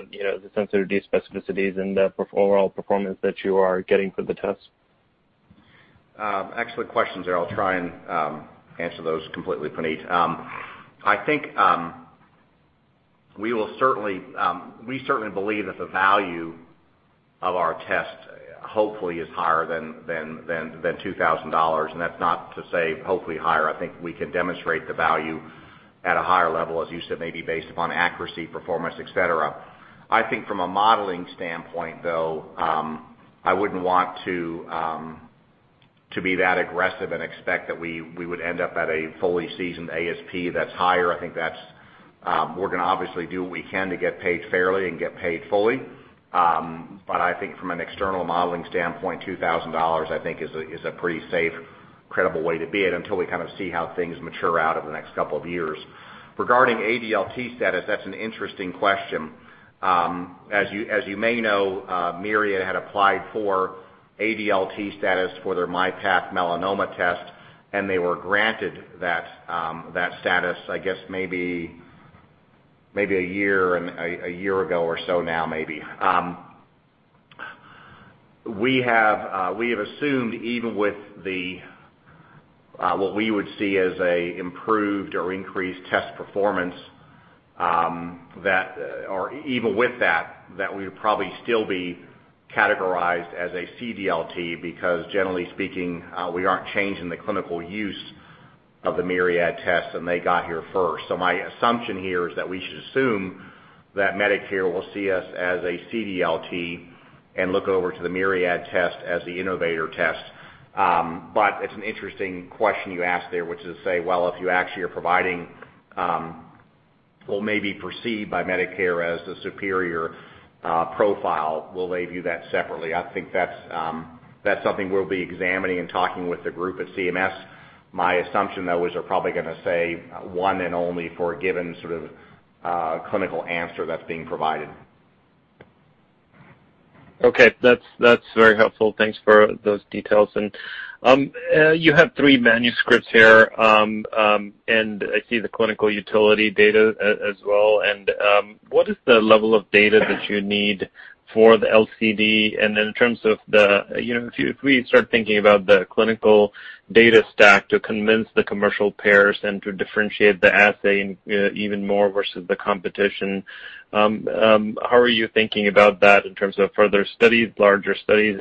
sensitivity, specificities, and the overall performance that you are getting for the test?
Excellent questions there. I'll try and answer those completely, Puneet. I think we certainly believe that the value of our test hopefully is higher than $2,000. And that's not to say hopefully higher. I think we can demonstrate the value at a higher level, as you said, maybe based upon accuracy, performance, etc. I think from a modeling standpoint, though, I wouldn't want to be that aggressive and expect that we would end up at a fully seasoned ASP that's higher. I think we're going to obviously do what we can to get paid fairly and get paid fully. But I think from an external modeling standpoint, $2,000 I think is a pretty safe, credible way to be it until we kind of see how things mature out over the next couple of years. Regarding ADLT status, that's an interesting question. As you may know, Myriad had applied for ADLT status for their MyPath Melanoma test, and they were granted that status, I guess, maybe a year ago or so now, maybe. We have assumed even with what we would see as an improved or increased test performance that, or even with that, that we would probably still be categorized as a CDLT because, generally speaking, we aren't changing the clinical use of the Myriad test, and they got here first. My assumption here is that we should assume that Medicare will see us as a CDLT and look over to the Myriad test as the innovator test. It's an interesting question you asked there, which is to say, well, if you actually are providing, well, maybe perceived by Medicare as the superior profile, we'll label you that separately. I think that's something we'll be examining and talking with the group at CMS. My assumption, though, is they're probably going to say one and only for a given sort of clinical answer that's being provided.
Okay. That's very helpful. Thanks for those details. You have three manuscripts here, and I see the clinical utility data as well. What is the level of data that you need for the LCD? In terms of the, if we start thinking about the clinical data stack to convince the commercial payers and to differentiate the assay even more versus the competition, how are you thinking about that in terms of further studies, larger studies?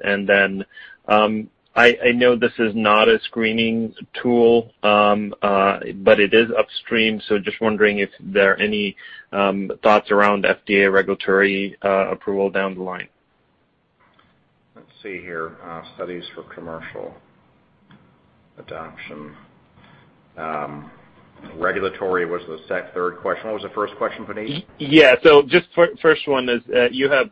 I know this is not a screening tool, but it is upstream. Just wondering if there are any thoughts around FDA regulatory approval down the line.
Let's see here. Studies for commercial adoption. Regulatory was the third question. What was the first question, Puneet?
Yeah. Just first one is you have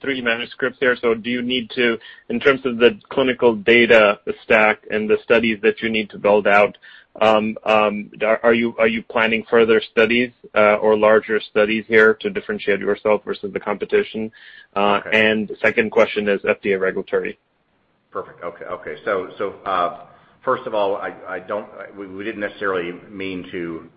three manuscripts here. Do you need to, in terms of the clinical data stack and the studies that you need to build out, are you planning further studies or larger studies here to differentiate yourself versus the competition? Second question is FDA regulatory.
Perfect. Okay. Okay. First of all, we did not necessarily mean to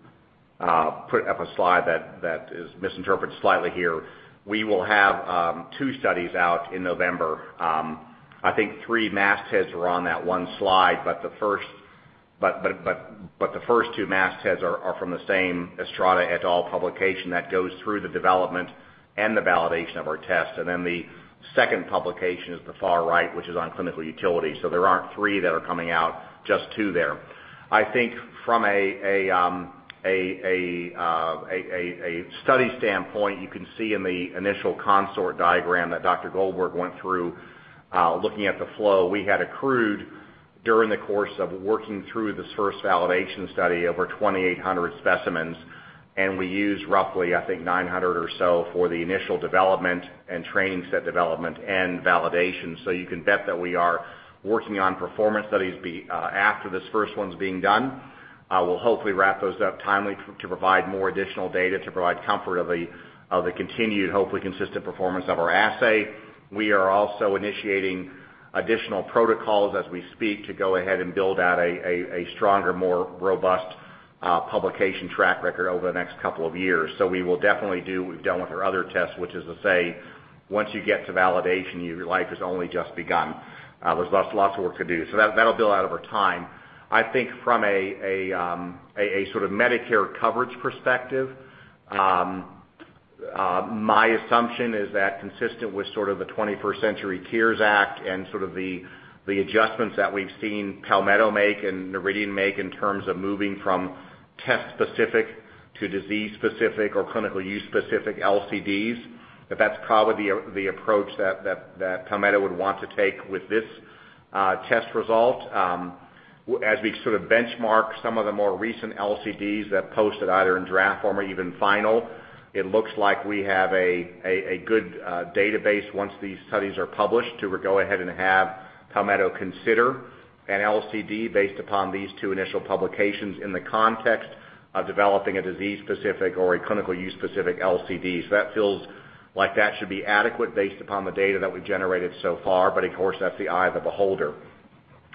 put up a slide that is misinterpreted slightly here. We will have two studies out in November. I think three mass tests were on that one slide, but the first two mass tests are from the same Estrada et al. publication that goes through the development and the validation of our test. The second publication is the far right, which is on clinical utility. There are not three that are coming out, just two there. I think from a study standpoint, you can see in the initial consort diagram that Dr. Goldberg went through looking at the flow, we had accrued during the course of working through this first validation study over 2,800 specimens. We used roughly, I think, 900 or so for the initial development and training set development and validation. You can bet that we are working on performance studies after this first one's being done. We'll hopefully wrap those up timely to provide more additional data to provide comfort of the continued, hopefully consistent performance of our assay. We are also initiating additional protocols as we speak to go ahead and build out a stronger, more robust publication track record over the next couple of years. We will definitely do what we've done with our other tests, which is to say, once you get to validation, your life has only just begun. There's lots of work to do. That'll build out over time. I think from a sort of Medicare coverage perspective, my assumption is that consistent with sort of the 21st Century Cures Act and sort of the adjustments that we've seen Palmetto make and Meridian make in terms of moving from test-specific to disease-specific or clinical use-specific LCDs, that that's probably the approach that Palmetto would want to take with this test result. As we sort of benchmark some of the more recent LCDs that posted either in draft form or even final, it looks like we have a good database once these studies are published to go ahead and have Palmetto consider an LCD based upon these two initial publications in the context of developing a disease-specific or a clinical use-specific LCD. That feels like that should be adequate based upon the data that we've generated so far, but of course, that's the eye of the beholder.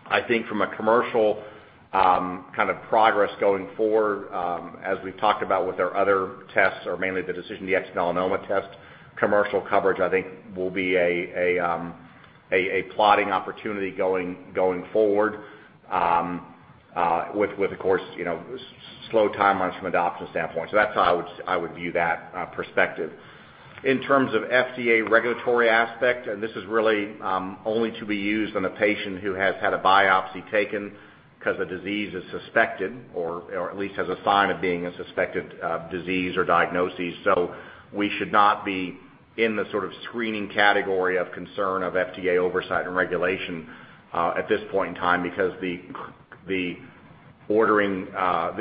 I think from a commercial kind of progress going forward, as we've talked about with our other tests, or mainly the DecisionDx-Melanoma test, commercial coverage, I think, will be a plotting opportunity going forward with, of course, slow timelines from an adoption standpoint. That is how I would view that perspective. In terms of FDA regulatory aspect, and this is really only to be used on a patient who has had a biopsy taken because a disease is suspected or at least has a sign of being a suspected disease or diagnosis. We should not be in the sort of screening category of concern of FDA oversight and regulation at this point in time because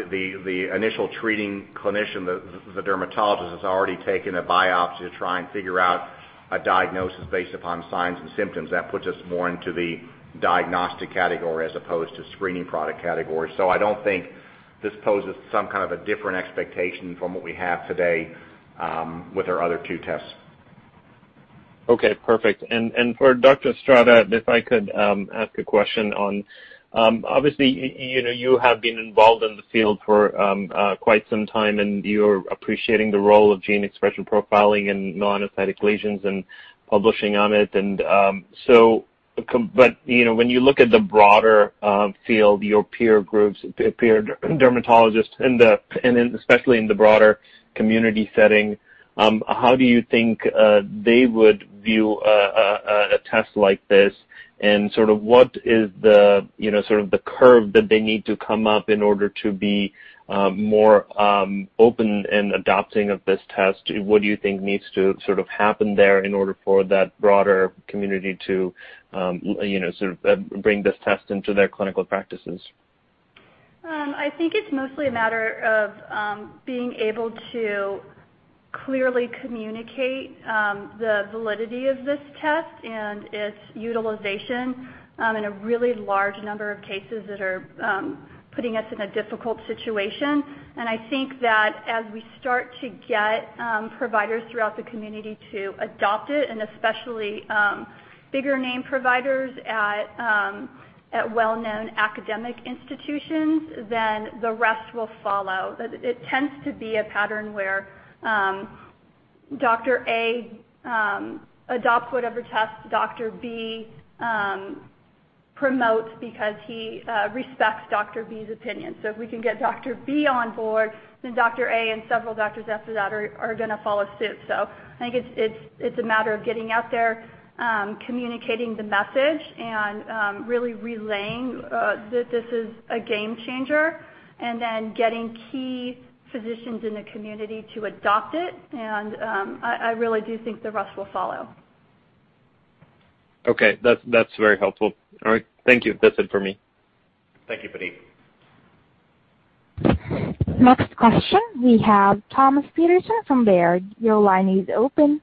the initial treating clinician, the dermatologist, has already taken a biopsy to try and figure out a diagnosis based upon signs and symptoms. That puts us more into the diagnostic category as opposed to screening product category. I don't think this poses some kind of a different expectation from what we have today with our other two tests.
Okay. Perfect. And for Dr. Estrada, if I could ask a question on, obviously, you have been involved in the field for quite some time, and you're appreciating the role of gene expression profiling and melanocytic lesions and publishing on it. When you look at the broader field, your peer groups, peer dermatologists, and especially in the broader community setting, how do you think they would view a test like this? What is the sort of the curve that they need to come up in order to be more open and adopting of this test? What do you think needs to sort of happen there in order for that broader community to sort of bring this test into their clinical practices?
I think it's mostly a matter of being able to clearly communicate the validity of this test and its utilization in a really large number of cases that are putting us in a difficult situation. I think that as we start to get providers throughout the community to adopt it, and especially bigger-name providers at well-known academic institutions, the rest will follow. It tends to be a pattern where Dr. A adopts whatever test Dr. B promotes because he respects Dr. B's opinion. If we can get Dr. B on board, Dr. A and several doctors after that are going to follow suit. I think it's a matter of getting out there, communicating the message, and really relaying that this is a game changer, and then getting key physicians in the community to adopt it. I really do think the rest will follow.
Okay. That's very helpful. All right. Thank you. That's it for me.
Thank you, Puneet.
Next question, we have Thomas Peterson from Baird. Your line is open.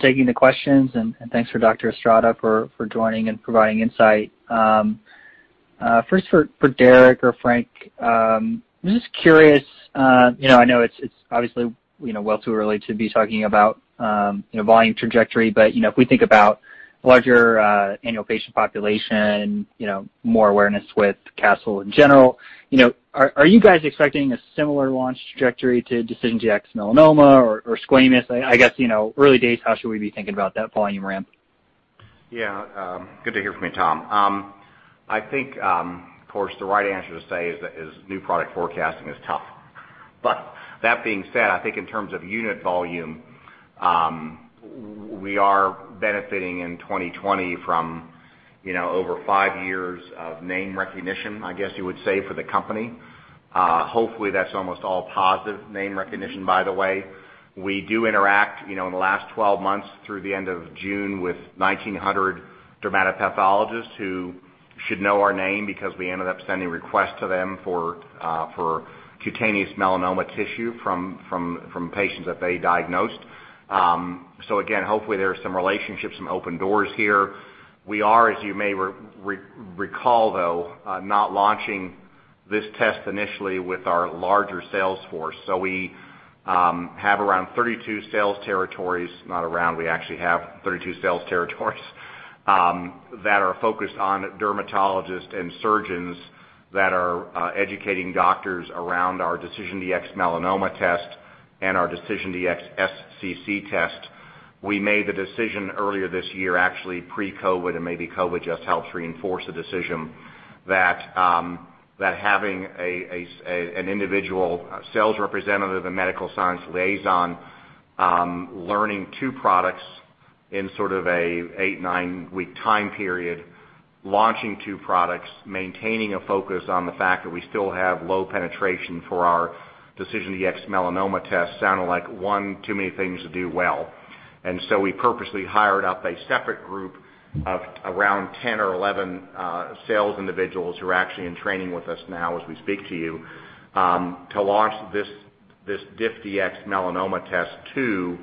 Taking the questions, and thanks for Dr. Estrada for joining and providing insight. First, for Derek or Frank, I'm just curious. I know it's obviously well too early to be talking about volume trajectory, but if we think about a larger annual patient population, more awareness with Castle in general, are you guys expecting a similar launch trajectory to DecisionDx-Melanoma or Squamous? I guess early days, how should we be thinking about that volume ramp?
Yeah. Good to hear from you, Tom. I think, of course, the right answer to say is new product forecasting is tough. That being said, I think in terms of unit volume, we are benefiting in 2020 from over five years of name recognition, I guess you would say, for the company. Hopefully, that's almost all positive name recognition, by the way. We do interact in the last 12 months through the end of June with 1,900 dermatopathologists who should know our name because we ended up sending requests to them for cutaneous melanoma tissue from patients that they diagnosed. Again, hopefully, there are some relationships, some open doors here. We are, as you may recall, though, not launching this test initially with our larger sales force. We have around 32 sales territories—not around, we actually have 32 sales territories—that are focused on dermatologists and surgeons that are educating doctors around our DecisionDx-Melanoma test and our DecisionDx-SCC test. We made the decision earlier this year, actually pre-COVID, and maybe COVID just helps reinforce the decision that having an individual sales representative and medical science liaison learning two products in sort of an eight, nine-week time period, launching two products, maintaining a focus on the fact that we still have low penetration for our DecisionDx-Melanoma test sounded like one too many things to do well. We purposely hired up a separate group of around 10 or 11 sales individuals who are actually in training with us now as we speak to you to launch this DiffDx-Melanoma test to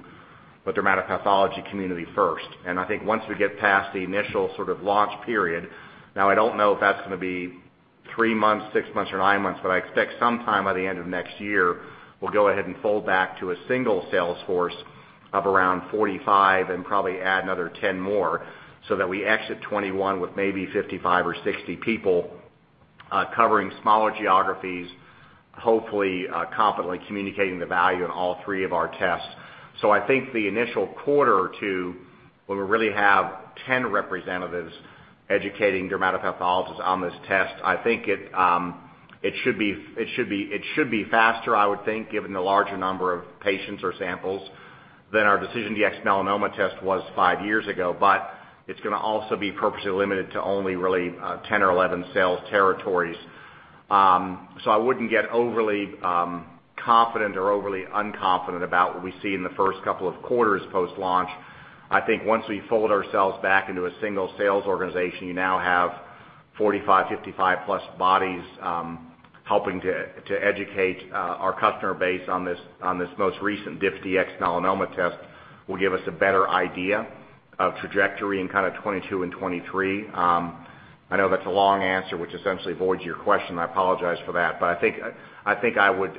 the dermatopathology community first. I think once we get past the initial sort of launch period—now I don't know if that's going to be three months, six months, or nine months—but I expect sometime by the end of next year, we'll go ahead and fold back to a single sales force of around 45 and probably add another 10 more so that we exit 2021 with maybe 55 or 60 people covering smaller geographies, hopefully competently communicating the value in all three of our tests. I think the initial quarter or two when we really have 10 representatives educating dermatopathologists on this test, I think it should be faster, I would think, given the larger number of patients or samples than our DecisionDx-Melanoma test was five years ago. It's going to also be purposely limited to only really 10 or 11 sales territories. I would not get overly confident or overly unconfident about what we see in the first couple of quarters post-launch. I think once we fold ourselves back into a single sales organization, you now have 45, 55+ bodies helping to educate our customer base on this most recent DiffDx-Melanoma test. That will give us a better idea of trajectory in kind of 2022 and 2023. I know that is a long answer, which essentially voids your question. I apologize for that. I think I would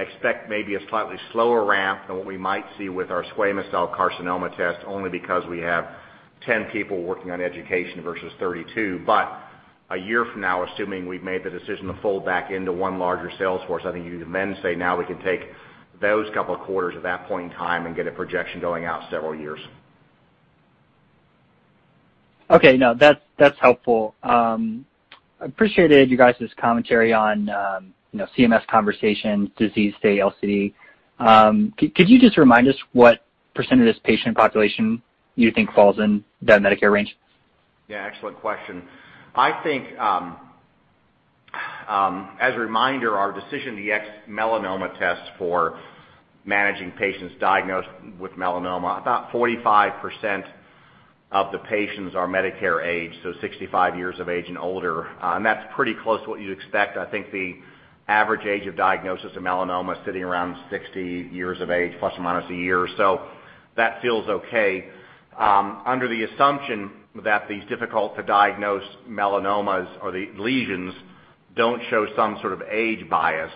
expect maybe a slightly slower ramp than what we might see with our squamous cell carcinoma test only because we have 10 people working on education versus 32. A year from now, assuming we've made the decision to fold back into one larger sales force, I think you can then say, "Now, we can take those couple of quarters at that point in time and get a projection going out several years.
Okay. No, that's helpful. I appreciated you guys' commentary on CMS conversations, disease stay LCD. Could you just remind us what percent of this patient population you think falls in that Medicare range?
Yeah. Excellent question. I think, as a reminder, our DecisionDx-Melanoma test for managing patients diagnosed with melanoma, about 45% of the patients are Medicare age, so 65 years of age and older. That is pretty close to what you'd expect. I think the average age of diagnosis of melanoma is sitting around 60 years of age, plus or minus a year. That feels okay. Under the assumption that these difficult-to-diagnose melanomas or the lesions do not show some sort of age bias,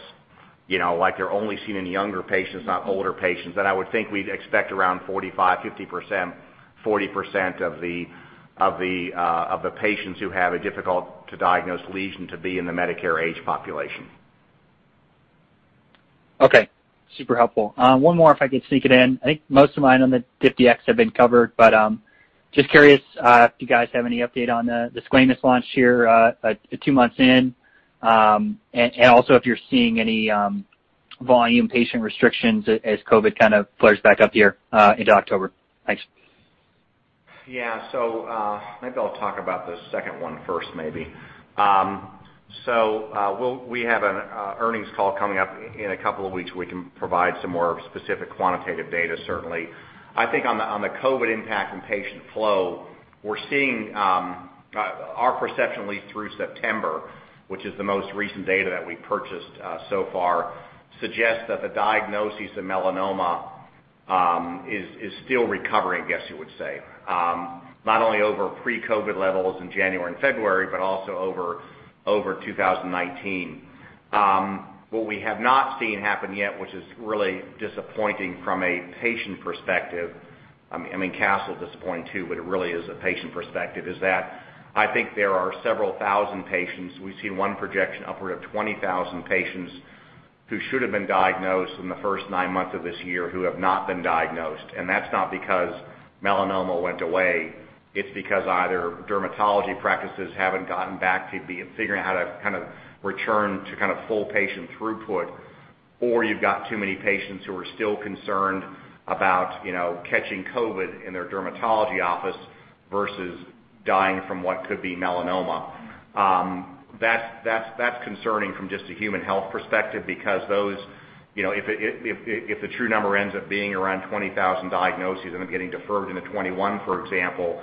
like they are only seen in younger patients, not older patients, I would think we'd expect around 45%-50%, 40% of the patients who have a difficult-to-diagnose lesion to be in the Medicare age population.
Okay. Super helpful. One more, if I could sneak it in. I think most of mine on the DiffDx have been covered, but just curious if you guys have any update on the Squamous launch here two months in, and also if you're seeing any volume patient restrictions as COVID kind of flares back up here into October. Thanks.
Yeah. Maybe I'll talk about the second one first, maybe. We have an earnings call coming up in a couple of weeks. We can provide some more specific quantitative data, certainly. I think on the COVID impact on patient flow, we're seeing our perception, at least through September, which is the most recent data that we purchased so far, suggests that the diagnosis of melanoma is still recovering, I guess you would say, not only over pre-COVID levels in January and February, but also over 2019. What we have not seen happen yet, which is really disappointing from a patient perspective—I mean, Castle is disappointing too, but it really is a patient perspective—is that I think there are several thousand patients. We've seen one projection upward of 20,000 patients who should have been diagnosed in the first nine months of this year who have not been diagnosed. That is not because melanoma went away. It is because either dermatology practices have not gotten back to figuring out how to kind of return to kind of full patient throughput, or you have got too many patients who are still concerned about catching COVID in their dermatology office versus dying from what could be melanoma. That is concerning from just a human health perspective because if the true number ends up being around 20,000 diagnoses and they are getting deferred into 2021, for example, that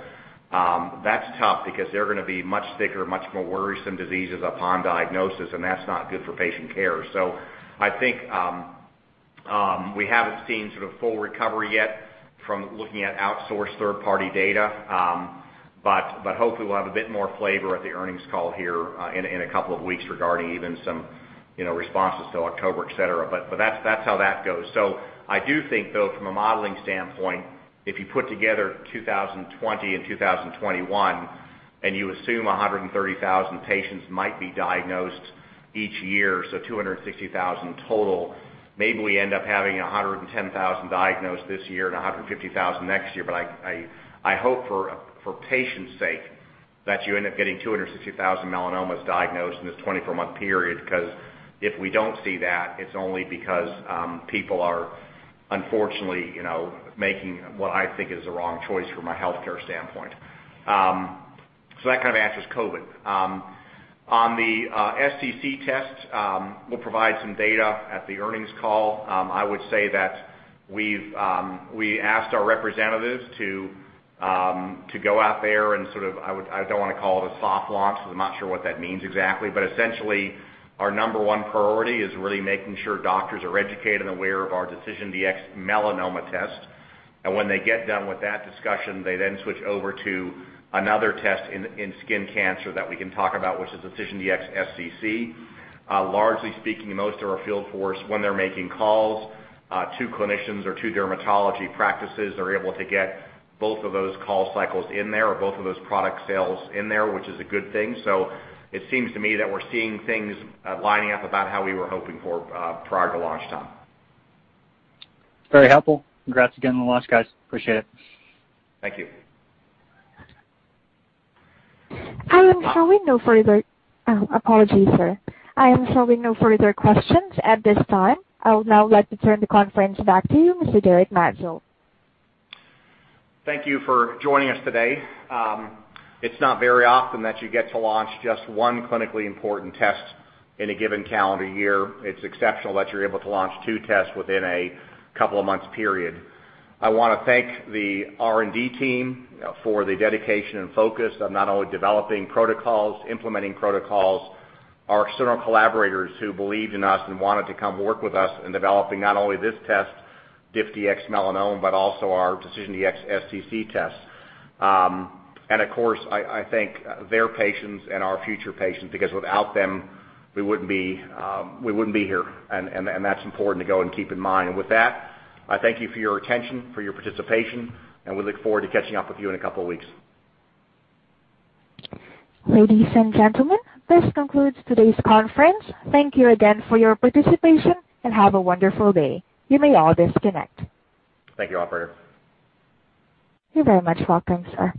is tough because they are going to be much thicker, much more worrisome diseases upon diagnosis, and that is not good for patient care. I think we have not seen sort of full recovery yet from looking at outsourced third-party data, but hopefully, we will have a bit more flavor at the earnings call here in a couple of weeks regarding even some responses to October, etc. That is how that goes. I do think, though, from a modeling standpoint, if you put together 2020 and 2021 and you assume 130,000 patients might be diagnosed each year, so 260,000 total, maybe we end up having 110,000 diagnosed this year and 150,000 next year. I hope for patient's sake that you end up getting 260,000 melanomas diagnosed in this 24-month period because if we don't see that, it's only because people are unfortunately making what I think is the wrong choice from a healthcare standpoint. That kind of answers COVID. On the SCC test, we'll provide some data at the earnings call. I would say that we asked our representatives to go out there and sort of—I don't want to call it a soft launch because I'm not sure what that means exactly—but essentially, our number one priority is really making sure doctors are educated and aware of our DecisionDx-Melanoma test. When they get done with that discussion, they then switch over to another test in skin cancer that we can talk about, which is DecisionDx-SCC. Largely speaking, most of our field force, when they're making calls to clinicians or to dermatology practices, they're able to get both of those call cycles in there or both of those product sales in there, which is a good thing. It seems to me that we're seeing things lining up about how we were hoping for prior to launch time.
Very helpful. Congrats again on the launch, guys. Appreciate it.
Thank you.
I am showing no further—apologies, sir. I am showing no further questions at this time. I would now like to turn the conference back to you, Mr. Derek Maetzold.
Thank you for joining us today. It's not very often that you get to launch just one clinically important test in a given calendar year. It's exceptional that you're able to launch two tests within a couple of months' period. I want to thank the R&D team for the dedication and focus of not only developing protocols, implementing protocols, our external collaborators who believed in us and wanted to come work with us in developing not only this test, DiffDx-Melanoma, but also our DecisionDx-SCC test. I thank their patients and our future patients because without them, we wouldn't be here. That's important to go and keep in mind. With that, I thank you for your attention, for your participation, and we look forward to catching up with you in a couple of weeks.
Ladies and gentlemen, this concludes today's conference. Thank you again for your participation and have a wonderful day. You may all disconnect.
Thank you, Operator.
You're very much welcome, sir.